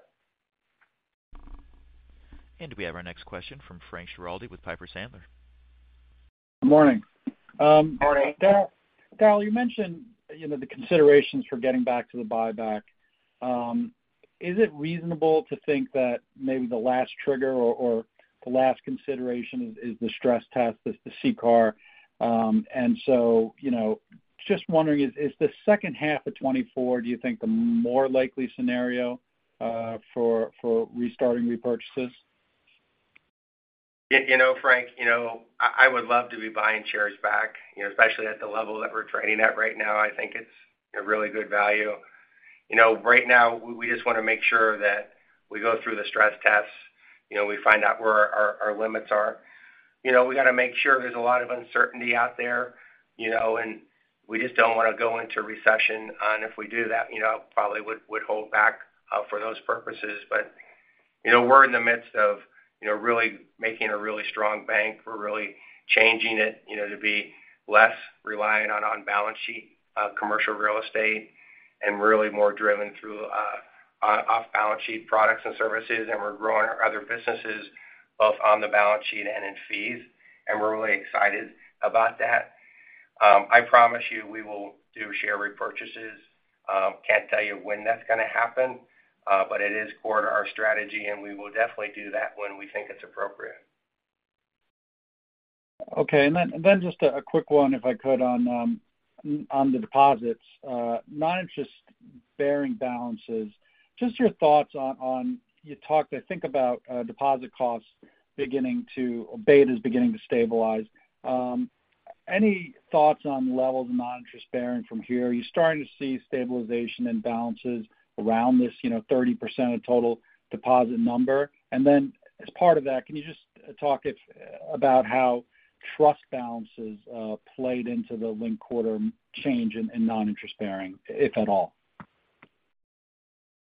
We have our next question from Frank Schiraldi with Piper Sandler. Good morning. Morning. Daryl, Daryl, you mentioned, you know, the considerations for getting back to the buyback. Is it reasonable to think that maybe the last trigger or, or the last consideration is, is the stress test, is the CCAR? And so, you know, just wondering, is, is the second half of 2024, do you think the more likely scenario, for, for restarting repurchases? You know, Frank, you know, I, I would love to be buying shares back, you know, especially at the level that we're trading at right now. I think it's a really good value. You know, right now, we, we just wanna make sure that we go through the stress tests, you know, we find out where our, our, our limits are. You know, we gotta make sure there's a lot of uncertainty out there, you know, and we just don't wanna go into recession. And if we do that, you know, probably would hold back for those purposes. But, you know, we're in the midst of, you know, really making a really strong bank. We're really changing it, you know, to be less reliant on-balance sheet commercial real estate, and really more driven through off-balance sheet products and services. We're growing our other businesses, both on the balance sheet and in fees, and we're really excited about that. I promise you, we will do share repurchases. Can't tell you when that's gonna happen, but it is core to our strategy, and we will definitely do that when we think it's appropriate. Okay. Then just a quick one, if I could, on the deposits. Non-interest bearing balances, just your thoughts on—you talked, I think, about deposit costs beginning to—betas beginning to stabilize. Any thoughts on the levels of non-interest bearing from here? Are you starting to see stabilization in balances around this, you know, 30% of total deposit number? And then, as part of that, can you just talk about how trust balances played into the linked quarter change in non-interest bearing, if at all?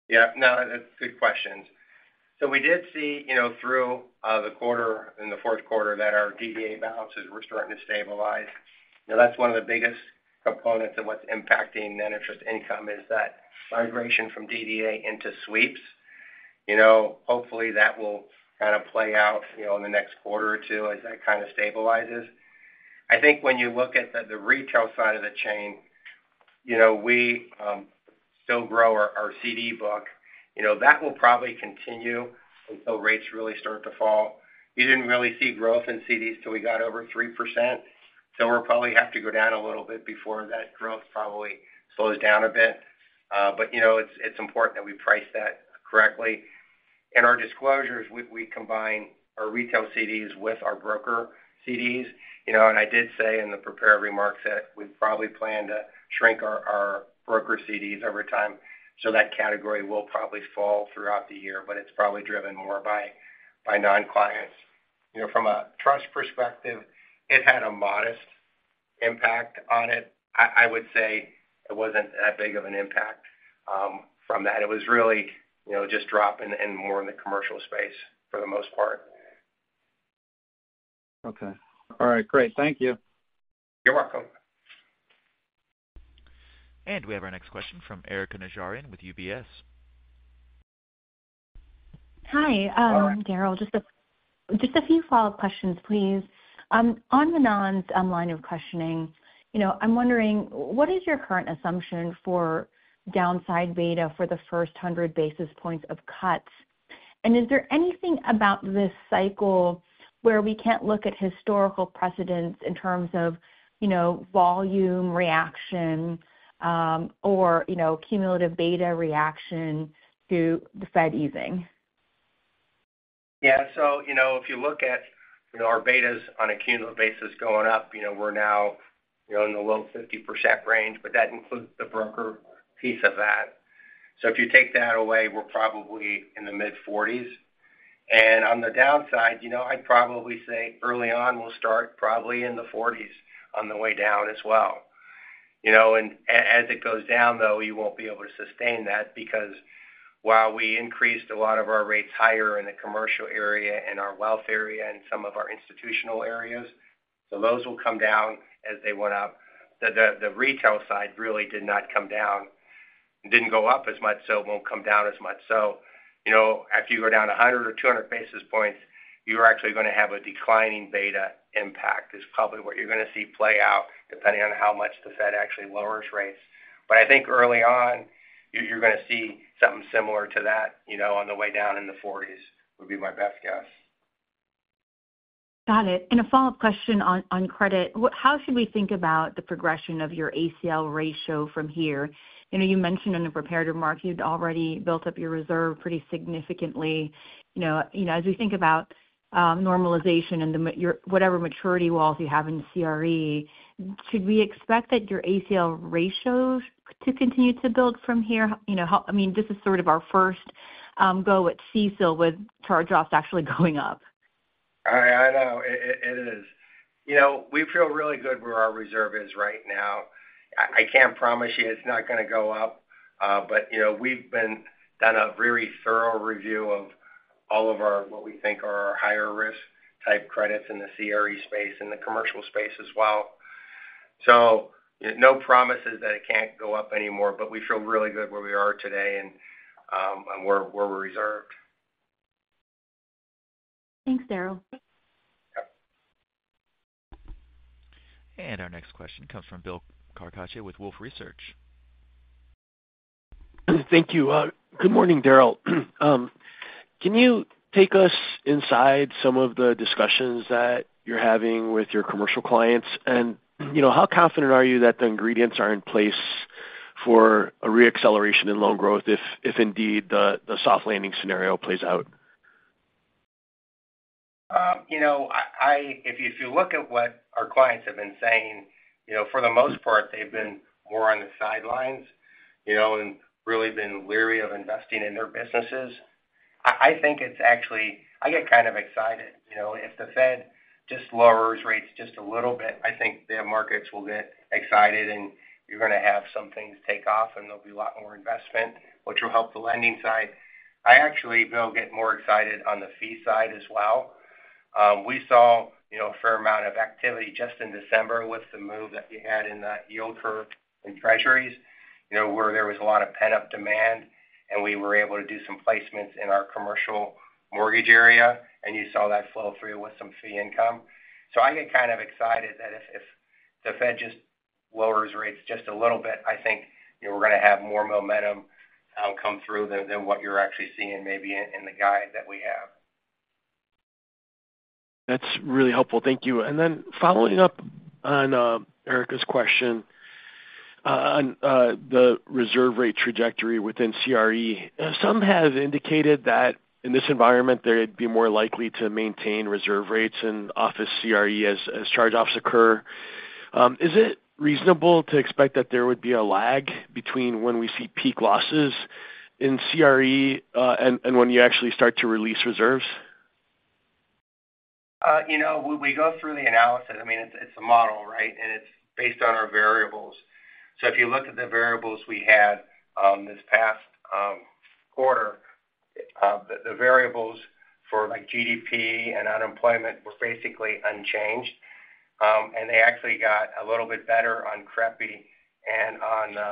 Yeah, no, that's good questions. So we did see, you know, through the quarter, in the fourth quarter, that our DDA balances were starting to stabilize. You know, that's one of the biggest components of what's impacting non-interest income, is that migration from DDA into sweeps. You know, hopefully, that will kind of play out, you know, in the next quarter or two as that kind of stabilizes. I think when you look at the retail side of the chain, you know, we still grow our CD book. You know, that will probably continue until rates really start to fall. We didn't really see growth in CDs till we got over 3%, so we'll probably have to go down a little bit before that growth probably slows down a bit. But, you know, it's important that we price that correctly. In our disclosures, we combine our retail CDs with our broker CDs. You know, and I did say in the prepared remarks that we probably plan to shrink our broker CDs over time. So that category will probably fall throughout the year, but it's probably driven more by non-clients. You know, from a trust perspective, it had a modest impact on it. I would say it wasn't that big of an impact from that. It was really, you know, just dropping in more in the commercial space, for the most part. Okay. All right, great. Thank you. You're welcome. We have our next question from Erika Najarian with UBS. Hi- Hi. Daryl. Just a, just a few follow-up questions, please. On Manan's line of questioning, you know, I'm wondering, what is your current assumption for downside beta for the first 100 basis points of cuts? And is there anything about this cycle where we can't look at historical precedents in terms of, you know, volume reaction, or, you know, cumulative beta reaction to the Fed easing? Yeah. So, you know, if you look at, you know, our betas on a cumulative basis going up, you know, we're now, you know, in the low 50% range, but that includes the broker piece of that. So if you take that away, we're probably in the mid-40s. And on the downside, you know, I'd probably say early on, we'll start probably in the 40s on the way down as well. You know, and as it goes down, though, you won't be able to sustain that because while we increased a lot of our rates higher in the commercial area and our wealth area and some of our institutional areas, so those will come down as they went up. The retail side really did not come down, didn't go up as much, so it won't come down as much. So, you know, after you go down 100 or 200 basis points, you are actually gonna have a declining beta impact, is probably what you're gonna see play out, depending on how much the Fed actually lowers rates. But I think early on, you're, you're gonna see something similar to that, you know, on the way down in the 40s, would be my best guess. Got it. And a follow-up question on credit. How should we think about the progression of your ACL ratio from here? You know, you mentioned in the prepared remarks you'd already built up your reserve pretty significantly. You know, you know, as we think about normalization and the maturity walls you have in CRE, should we expect that your ACL ratios to continue to build from here? You know, how—I mean, this is sort of our first go at CECL with charge-offs actually going up. You know, we feel really good where our reserve is right now. I can't promise you it's not gonna go up, but, you know, we've done a very thorough review of all of our, what we think are our higher risk type credits in the CRE space and the commercial space as well. So no promises that it can't go up anymore, but we feel really good where we are today and, and where we're reserved. Thanks, Daryl. And our next question comes from Bill Carcache with Wolfe Research. Thank you. Good morning, Daryl. Can you take us inside some of the discussions that you're having with your commercial clients? You know, how confident are you that the ingredients are in place for a re-acceleration in loan growth, if indeed the soft landing scenario plays out? You know, if you look at what our clients have been saying, you know, for the most part, they've been more on the sidelines, you know, and really been leery of investing in their businesses. I think it's actually, I get kind of excited, you know, if the Fed just lowers rates just a little bit. I think the markets will get excited, and you're gonna have some things take off, and there'll be a lot more investment, which will help the lending side. I actually, Bill, get more excited on the fee side as well. We saw, you know, a fair amount of activity just in December with the move that we had in the yield curve in Treasuries, you know, where there was a lot of pent-up demand, and we were able to do some placements in our commercial mortgage area, and you saw that flow through with some fee income. So I get kind of excited that if, if the Fed just lowers rates just a little bit, I think, you know, we're gonna have more momentum come through than, than what you're actually seeing maybe in, in the guide that we have. That's really helpful. Thank you. And then following up on Erika's question on the reserve rate trajectory within CRE. Some have indicated that in this environment, they'd be more likely to maintain reserve rates and office CRE as charge-offs occur. Is it reasonable to expect that there would be a lag between when we see peak losses in CRE and when you actually start to release reserves? You know, when we go through the analysis, I mean, it's a model, right? And it's based on our variables. So if you look at the variables we had this past quarter, the variables for, like, GDP and unemployment were basically unchanged. And they actually got a little bit better on CREPI and on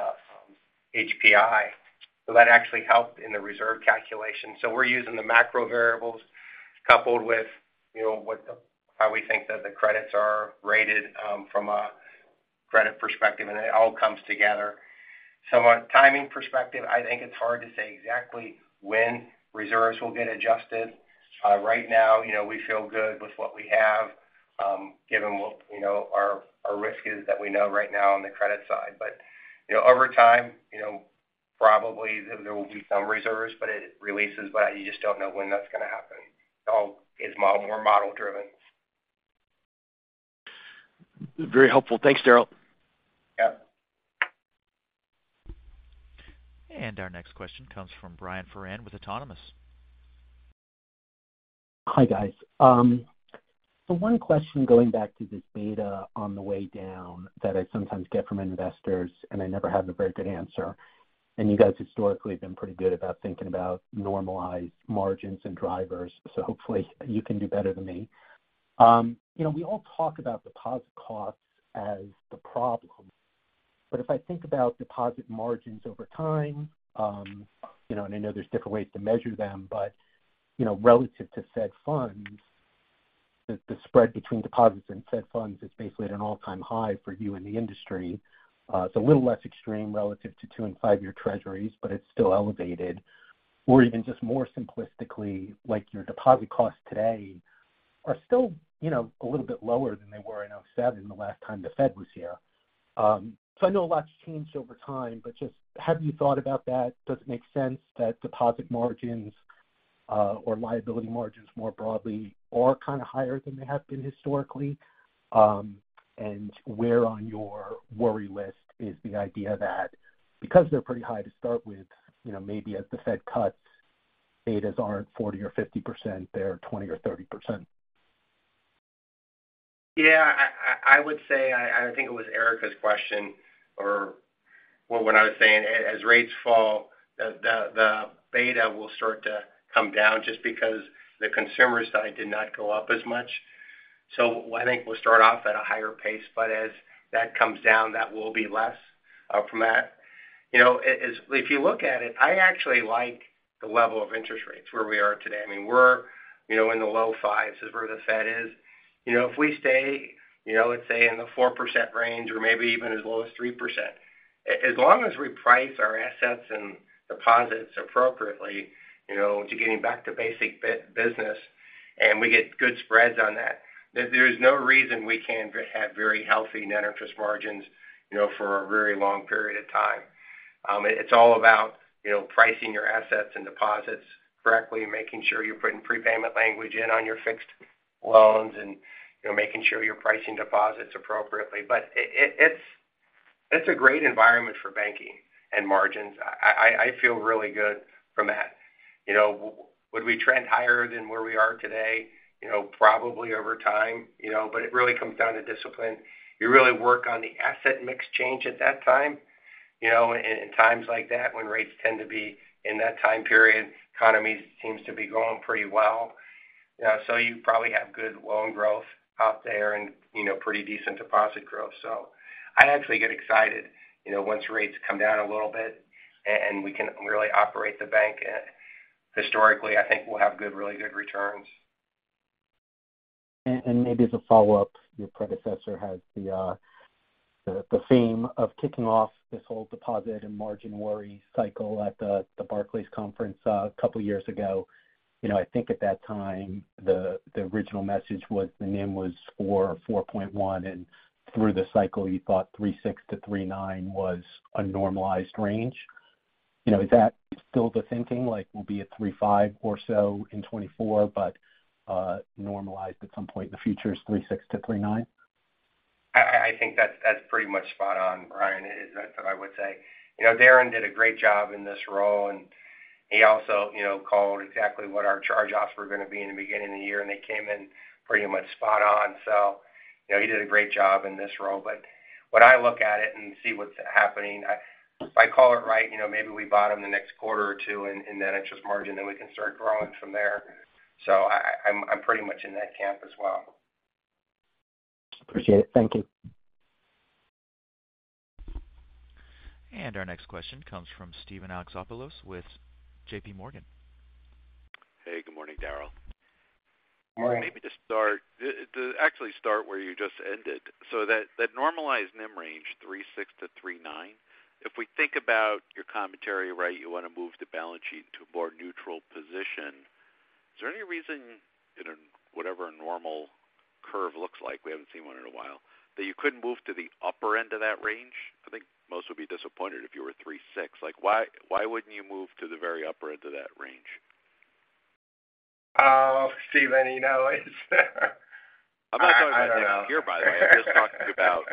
HPI, so that actually helped in the reserve calculation. So we're using the macro variables, coupled with, you know, how we think that the credits are rated from a credit perspective, and it all comes together. So on a timing perspective, I think it's hard to say exactly when reserves will get adjusted. Right now, you know, we feel good with what we have, given what, you know, our risk is that we know right now on the credit side. You know, over time, you know, probably there will be some reserves, but it releases, but you just don't know when that's gonna happen. All is model, more model driven. Very helpful. Thanks, Daryl. Yeah. Our next question comes from Brian Foran with Autonomous. Hi, guys. So one question going back to this beta on the way down that I sometimes get from investors, and I never have a very good answer, and you guys historically have been pretty good about thinking about normalized margins and drivers, so hopefully you can do better than me. You know, we all talk about deposit costs as the problem, but if I think about deposit margins over time, you know, and I know there's different ways to measure them, but, you know, relative to Fed funds, the, the spread between deposits and Fed funds is basically at an all-time high for you in the industry. It's a little less extreme relative to 2- and 5-year Treasuries, but it's still elevated. Or even just more simplistically, like, your deposit costs today are still, you know, a little bit lower than they were in 2007, the last time the Fed was here. So I know a lot's changed over time, but just have you thought about that? Does it make sense that deposit margins, or liability margins, more broadly, are kind of higher than they have been historically? And where on your worry list is the idea that because they're pretty high to start with, you know, maybe as the Fed cuts, betas aren't 40% or 50%, they're 20% or 30%? Yeah, I would say, I think it was Erika's question or, well, what I was saying, as rates fall, the beta will start to come down just because the consumer side did not go up as much. So I think we'll start off at a higher pace, but as that comes down, that will be less from that. You know, it is—if you look at it, I actually like the level of interest rates where we are today. I mean, we're, you know, in the low fives is where the Fed is. You know, if we stay, you know, let's say, in the 4% range or maybe even as low as 3%, as long as we price our assets and deposits appropriately, you know, to getting back to basic business, and we get good spreads on that, there's no reason we can't have very healthy net interest margins, you know, for a very long period of time. It's all about, you know, pricing your assets and deposits correctly, making sure you're putting prepayment language in on your fixed loans and, you know, making sure you're pricing deposits appropriately. But it's, that's a great environment for banking and margins. I feel really good from that. You know, would we trend higher than where we are today? You know, probably over time, you know, but it really comes down to discipline. You really work on the asset mix change at that time. You know, in times like that, when rates tend to be in that time period, economy seems to be going pretty well. So you probably have good loan growth out there and, you know, pretty decent deposit growth. So I actually get excited, you know, once rates come down a little bit and we can really operate the bank. Historically, I think we'll have good, really good returns. And maybe as a follow-up, your predecessor had the theme of kicking off this whole deposit and margin worry cycle at the Barclays conference a couple of years ago. You know, I think at that time, the original message was the NIM was 4 or 4.1, and through the cycle, you thought 3.6-3.9 was a normalized range. You know, is that still the thinking? Like, we'll be at 3.5 or so in 2024, but normalized at some point in the future is 3.6-3.9? I, I think that's, that's pretty much spot on, Brian. That's what I would say. You know, Darren did a great job in this role, and he also, you know, called exactly what our charge-offs were going to be in the beginning of the year, and they came in pretty much spot on. So, you know, he did a great job in this role. But when I look at it and see what's happening, I, if I call it right, you know, maybe we bottom the next quarter or two, and, and then it's just margin, then we can start growing from there. So I, I, I'm pretty much in that camp as well. Appreciate it. Thank you. Our next question comes from Steven Alexopoulos with J.P. Morgan. Hey, good morning, Daryl. Good morning. Maybe to start—to actually start where you just ended. So that normalized NIM range, 3.6%-3.9%, if we think about your commentary, right, you want to move the balance sheet to a more neutral position. Is there any reason in whatever a normal curve looks like, we haven't seen one in a while, that you couldn't move to the upper end of that range? I think most would be disappointed if you were 3.6%. Like, why, why wouldn't you move to the very upper end of that range? Steve, you know, I'm not talking about next year, by the way. I don't know. I'm just talking about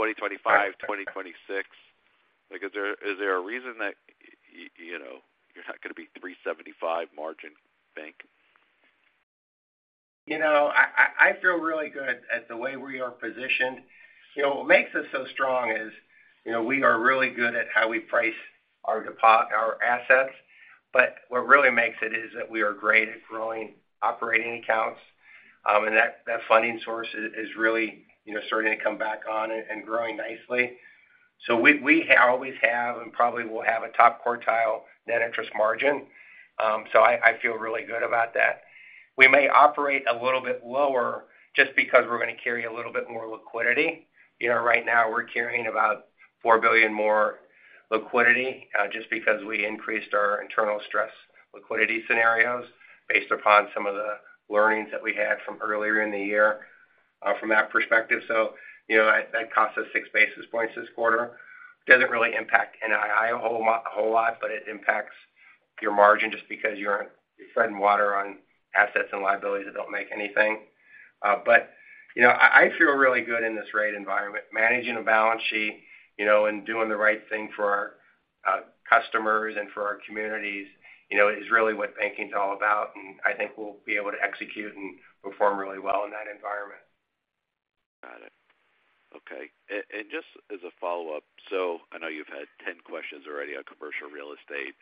2025, 2026. Like, is there, is there a reason that, you know, you're not going to be 3.75 margin bank? You know, I feel really good about the way we are positioned. You know, what makes us so strong is, you know, we are really good at how we price our deposits, our assets, but what really makes it is that we are great at growing operating accounts, and that funding source is really, you know, starting to come back on and growing nicely. So we always have and probably will have a top-quartile net interest margin. So I feel really good about that. We may operate a little bit lower just because we're going to carry a little bit more liquidity. You know, right now we're carrying about $4 billion more liquidity, just because we increased our internal stress liquidity scenarios based upon some of the learnings that we had from earlier in the year, from that perspective. So, you know, that cost us 6 basis points this quarter. Doesn't really impact NII a whole lot, but it impacts your margin just because you're treading water on assets and liabilities that don't make anything. But, you know, I feel really good in this rate environment. Managing a balance sheet, you know, and doing the right thing for our customers and for our communities, you know, is really what banking is all about, and I think we'll be able to execute and perform really well in that environment. Got it. Okay. And just as a follow-up, so I know you've had 10 questions already on commercial real estate,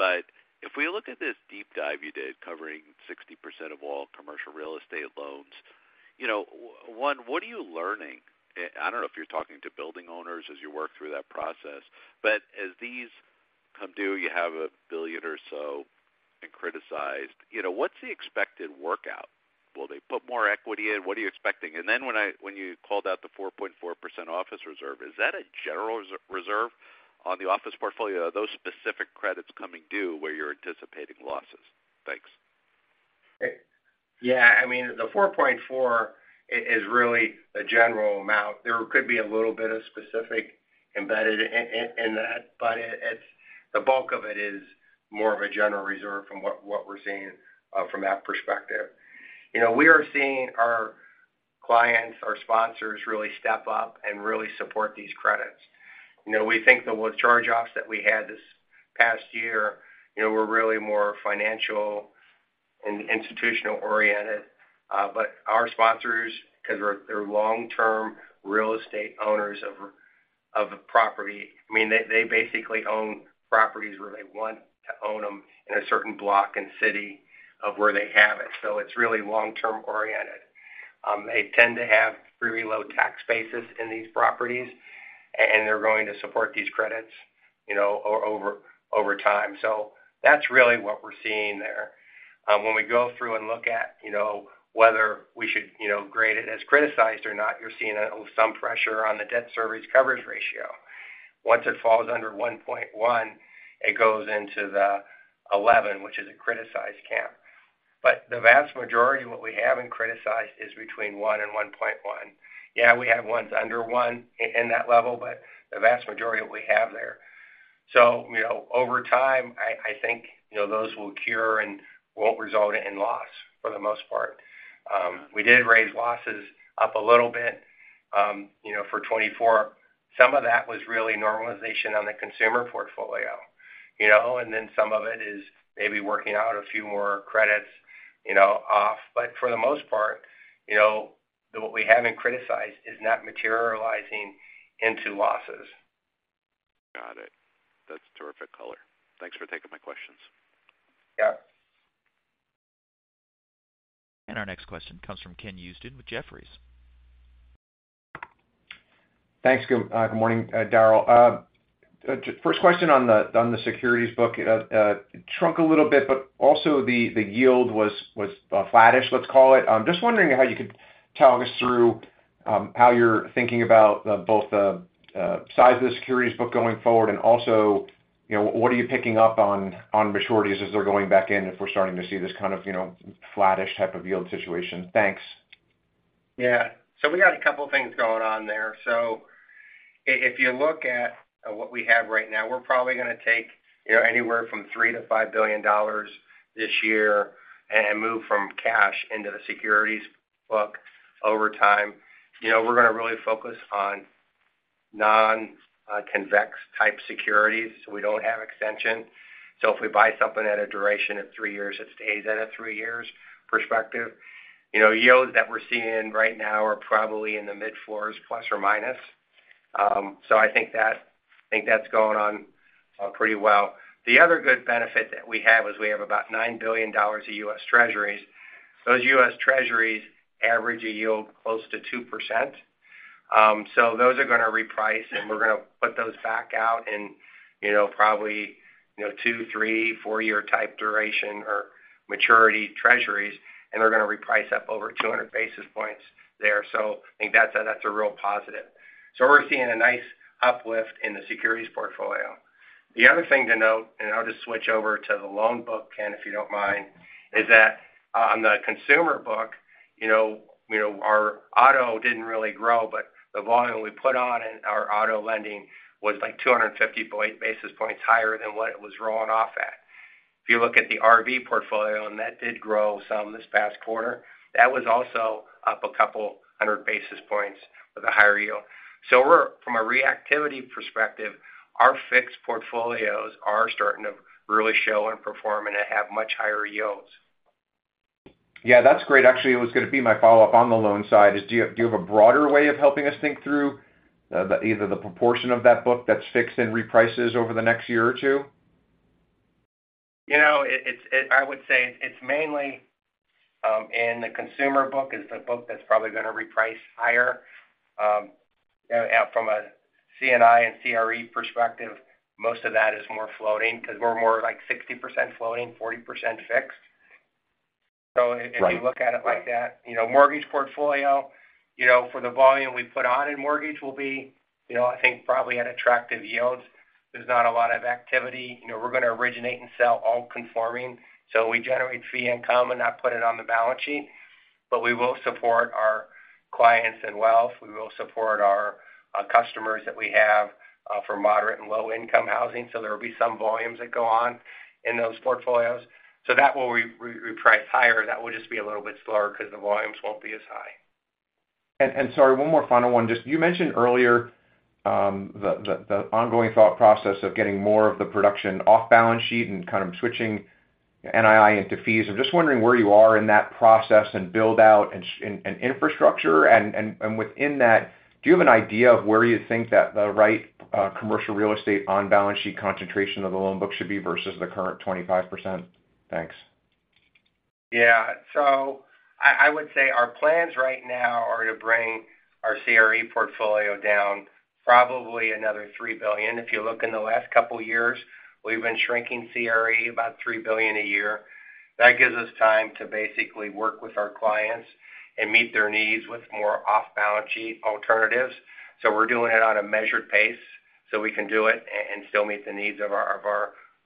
but if we look at this deep dive you did, covering 60% of all commercial real estate loans, you know, one, what are you learning? I don't know if you're talking to building owners as you work through that process, but as these come due, you have $1 billion or so and criticized, you know, what's the expected workout? Will they put more equity in? What are you expecting? And then when you called out the 4.4% office reserve, is that a general reserve on the office portfolio, or are those specific credits coming due where you're anticipating losses? Thanks. Yeah, I mean, the 4.4 is really a general amount. There could be a little bit of specific embedded in that, but it's the bulk of it is more of a general reserve from what we're seeing from that perspective. You know, we are seeing our clients, our sponsors, really step up and really support these credits. You know, we think that with charge-offs that we had this past year, you know, we're really more financial and institutional-oriented, but our sponsors, because they're long-term real estate owners of the property, I mean, they basically own properties where they want to own them in a certain block and city of where they have it. So it's really long-term oriented. They tend to have very low tax bases in these properties, and they're going to support these credits, you know, over time. So that's really what we're seeing there. When we go through and look at, you know, whether we should, you know, grade it as criticized or not, you're seeing some pressure on the debt service coverage ratio. Once it falls under 1.1, it goes into the 11, which is a criticized camp. But the vast majority of what we have in criticized is between 1 and 1.1. Yeah, we have ones under 1 in that level, but the vast majority what we have there. So, you know, over time, I, I think, you know, those will cure and won't result in loss for the most part. We did raise losses up a little bit, you know, for 2024. Some of that was really normalization on the consumer portfolio, you know, and then some of it is maybe working out a few more credits, you know, off. But for the most part, you know, what we haven't criticized is not materializing into losses. Got it. That's terrific color. Thanks for taking my questions. Yeah. Our next question comes from Ken Usdin with Jefferies. Thanks. Good morning, Daryl. First question on the securities book shrunk a little bit, but also the yield was flattish, let's call it. I'm just wondering how you could talk us through how you're thinking about both the size of the securities book going forward, and also, you know, what are you picking up on maturities as they're going back in, if we're starting to see this kind of, you know, flattish type of yield situation? Thanks. Yeah. So we got a couple things going on there. So if you look at what we have right now, we're probably gonna take, you know, anywhere from $3 billion-$5 billion this year and move from cash into the securities book over time. You know, we're gonna really focus on non-convex type securities, so we don't have extension. So if we buy something at a duration of three years, it stays at a three years perspective. You know, yields that we're seeing right now are probably in the mid-4s, plus or minus. So I think that's going on pretty well. The other good benefit that we have is we have about $9 billion of U.S. Treasuries. Those U.S. Treasuries average a yield close to 2%. So those are gonna reprice, and we're gonna put those back out in, you know, probably, you know, 2-, 3-, 4-year type duration or maturity Treasuries, and they're gonna reprice up over 200 basis points there. So I think that's a, that's a real positive. So we're seeing a nice uplift in the securities portfolio. The other thing to note, and I'll just switch over to the loan book, Ken, if you don't mind, is that on the consumer book, you know, you know, our auto didn't really grow, but the volume we put on in our auto lending was, like, 250 basis points higher than what it was rolling off at. If you look at the RV portfolio, and that did grow some this past quarter, that was also up a couple hundred basis points with a higher yield. So we're from a reactivity perspective, our fixed portfolios are starting to really show and perform and have much higher yields. Yeah, that's great. Actually, it was gonna be my follow-up on the loan side, is do you, do you have a broader way of helping us think through, the, either the proportion of that book that's fixed in reprices over the next year or two? You know, I would say it's mainly in the consumer book, it's the book that's probably gonna reprice higher. From a C&I and CRE perspective, most of that is more floating because we're more like 60% floating, 40% fixed. Right. So if you look at it like that, you know, mortgage portfolio, you know, for the volume we put on in mortgage will be, you know, I think probably at attractive yields. There's not a lot of activity. You know, we're gonna originate and sell all conforming, so we generate fee income and not put it on the balance sheet. But we will support our clients in wealth. We will support our customers that we have for moderate and low-income housing, so there will be some volumes that go on in those portfolios. So that will reprice higher. That will just be a little bit slower because the volumes won't be as high. Sorry, one more final one. Just, you mentioned earlier, the ongoing thought process of getting more of the production off balance sheet and kind of switching NII into fees. I'm just wondering where you are in that process and build out and infrastructure. And within that, do you have an idea of where you think that the right commercial real estate on balance sheet concentration of the loan book should be versus the current 25%? Thanks. Yeah. So I, I would say our plans right now are to bring our CRE portfolio down probably another $3 billion. If you look in the last couple of years, we've been shrinking CRE about $3 billion a year. That gives us time to basically work with our clients and meet their needs with more off-balance sheet alternatives. So we're doing it at a measured pace, so we can do it and still meet the needs of our,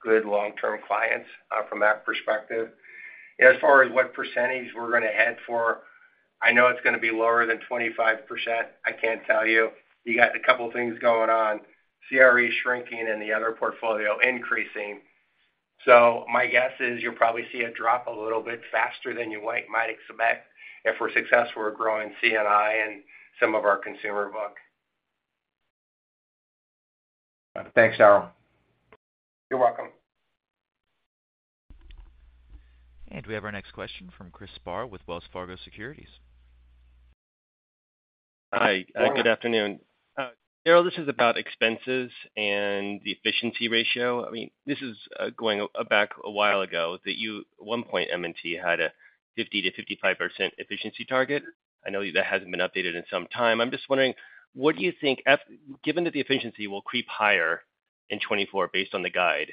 of our good long-term clients, from that perspective. As far as what percentage we're gonna head for, I know it's gonna be lower than 25%. I can't tell you. You got a couple things going on: CRE shrinking and the other portfolio increasing. So my guess is you'll probably see a drop a little bit faster than you might expect if we're successful with growing C&I and some of our consumer book. Thanks, Darryl. You're welcome. We have our next question from Chris Spahr with Wells Fargo Securities. Hi. Good morning. Daryl, this is about expenses and the efficiency ratio. I mean, this is going back a while ago, that you at one point, M&T had a 50%-55% efficiency target. I know that hasn't been updated in some time. I'm just wondering, what do you think given that the efficiency will creep higher in 2024, based on the guide,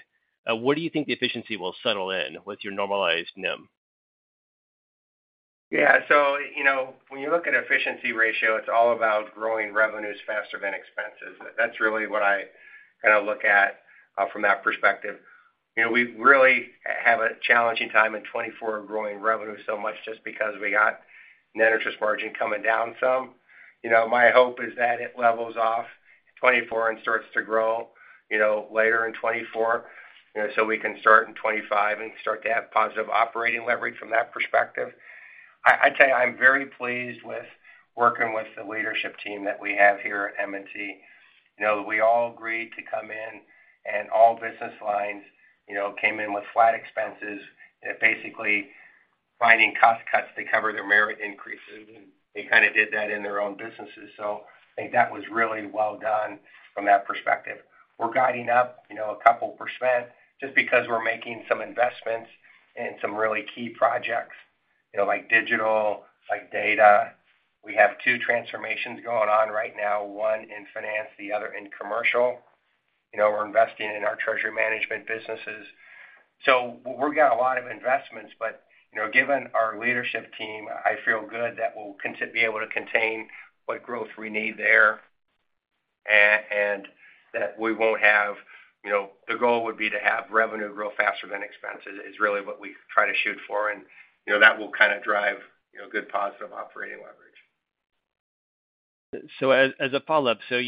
where do you think the efficiency will settle in with your normalized NIM? Yeah, so you know, when you look at efficiency ratio, it's all about growing revenues faster than expenses. That's really what I kind of look at from that perspective. You know, we really have a challenging time in 2024 growing revenue so much just because we got net interest margin coming down some. You know, my hope is that it levels off in 2024 and starts to grow, you know, later in 2024, you know, so we can start in 2025 and start to have positive operating leverage from that perspective. I, I'd tell you, I'm very pleased with working with the leadership team that we have here at M&T. You know, we all agreed to come in, and all business lines, you know, came in with flat expenses, basically finding cost cuts to cover their merit increases, and they kind of did that in their own businesses. So I think that was really well done from that perspective. We're guiding up, you know, a couple% just because we're making some investments in some really key projects, you know, like digital, like data. We have two transformations going on right now, one in finance, the other in commercial. You know, we're investing in our treasury management businesses. So we've got a lot of investments, but, you know, given our leadership team, I feel good that we'll be able to contain what growth we need there, and that we won't have, you know, the goal would be to have revenue grow faster than expenses, is really what we try to shoot for. And, you know, that will kind of drive, you know, good, positive operating leverage. As a follow-up, do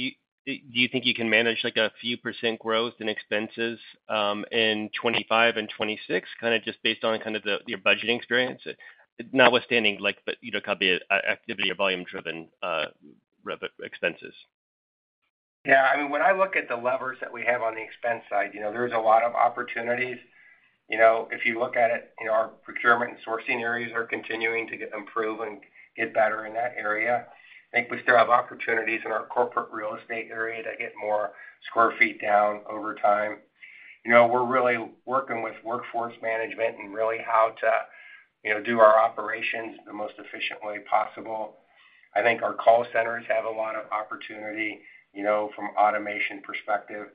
you think you can manage, like, a few% growth in expenses in 2025 and 2026, kind of just based on kind of your budgeting experience, notwithstanding, like, the, you know, comp activity or volume-driven rev expenses? Yeah. I mean, when I look at the levers that we have on the expense side, you know, there's a lot of opportunities. You know, if you look at it, you know, our procurement and sourcing areas are continuing to get improve and get better in that area. I think we still have opportunities in our corporate real estate area to get more sq ft down over time. You know, we're really working with workforce management and really how to, you know, do our operations the most efficient way possible. I think our call centers have a lot of opportunity, you know, from automation perspective.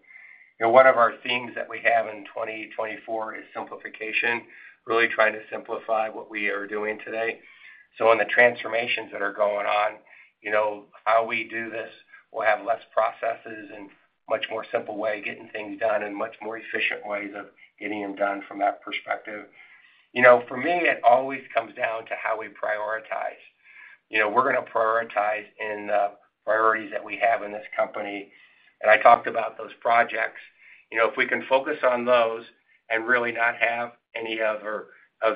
You know, one of our themes that we have in 2024 is simplification, really trying to simplify what we are doing today. In the transformations that are going on, you know, how we do this, we'll have less processes and much more simple way of getting things done and much more efficient ways of getting them done from that perspective. You know, for me, it always comes down to how we prioritize. You know, we're going to prioritize in the priorities that we have in this company, and I talked about those projects. You know, if we can focus on those and really not have any of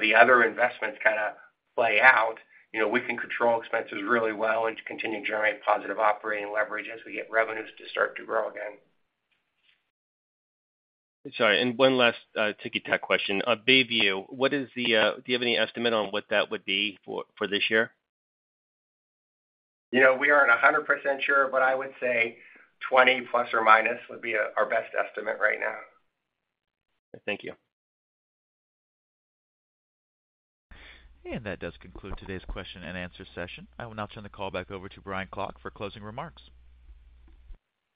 the other investments kind of play out, you know, we can control expenses really well and continue to generate positive operating leverage as we get revenues to start to grow again. Sorry, and one last, ticky-tack question. On Bayview, what is the, do you have any estimate on what that would be for, for this year? You know, we aren't 100% sure, but I would say 20 ± would be our best estimate right now. Thank you. That does conclude today's question and answer session. I will now turn the call back over to Brian Klock for closing remarks.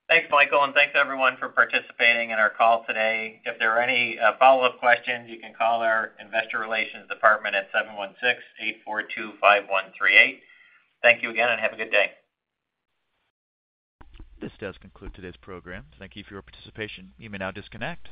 Thanks, Michael, and thanks, everyone, for participating in our call today. If there are any follow-up questions, you can call our investor relations department at 716-842-5138. Thank you again, and have a good day. This does conclude today's program. Thank you for your participation. You may now disconnect.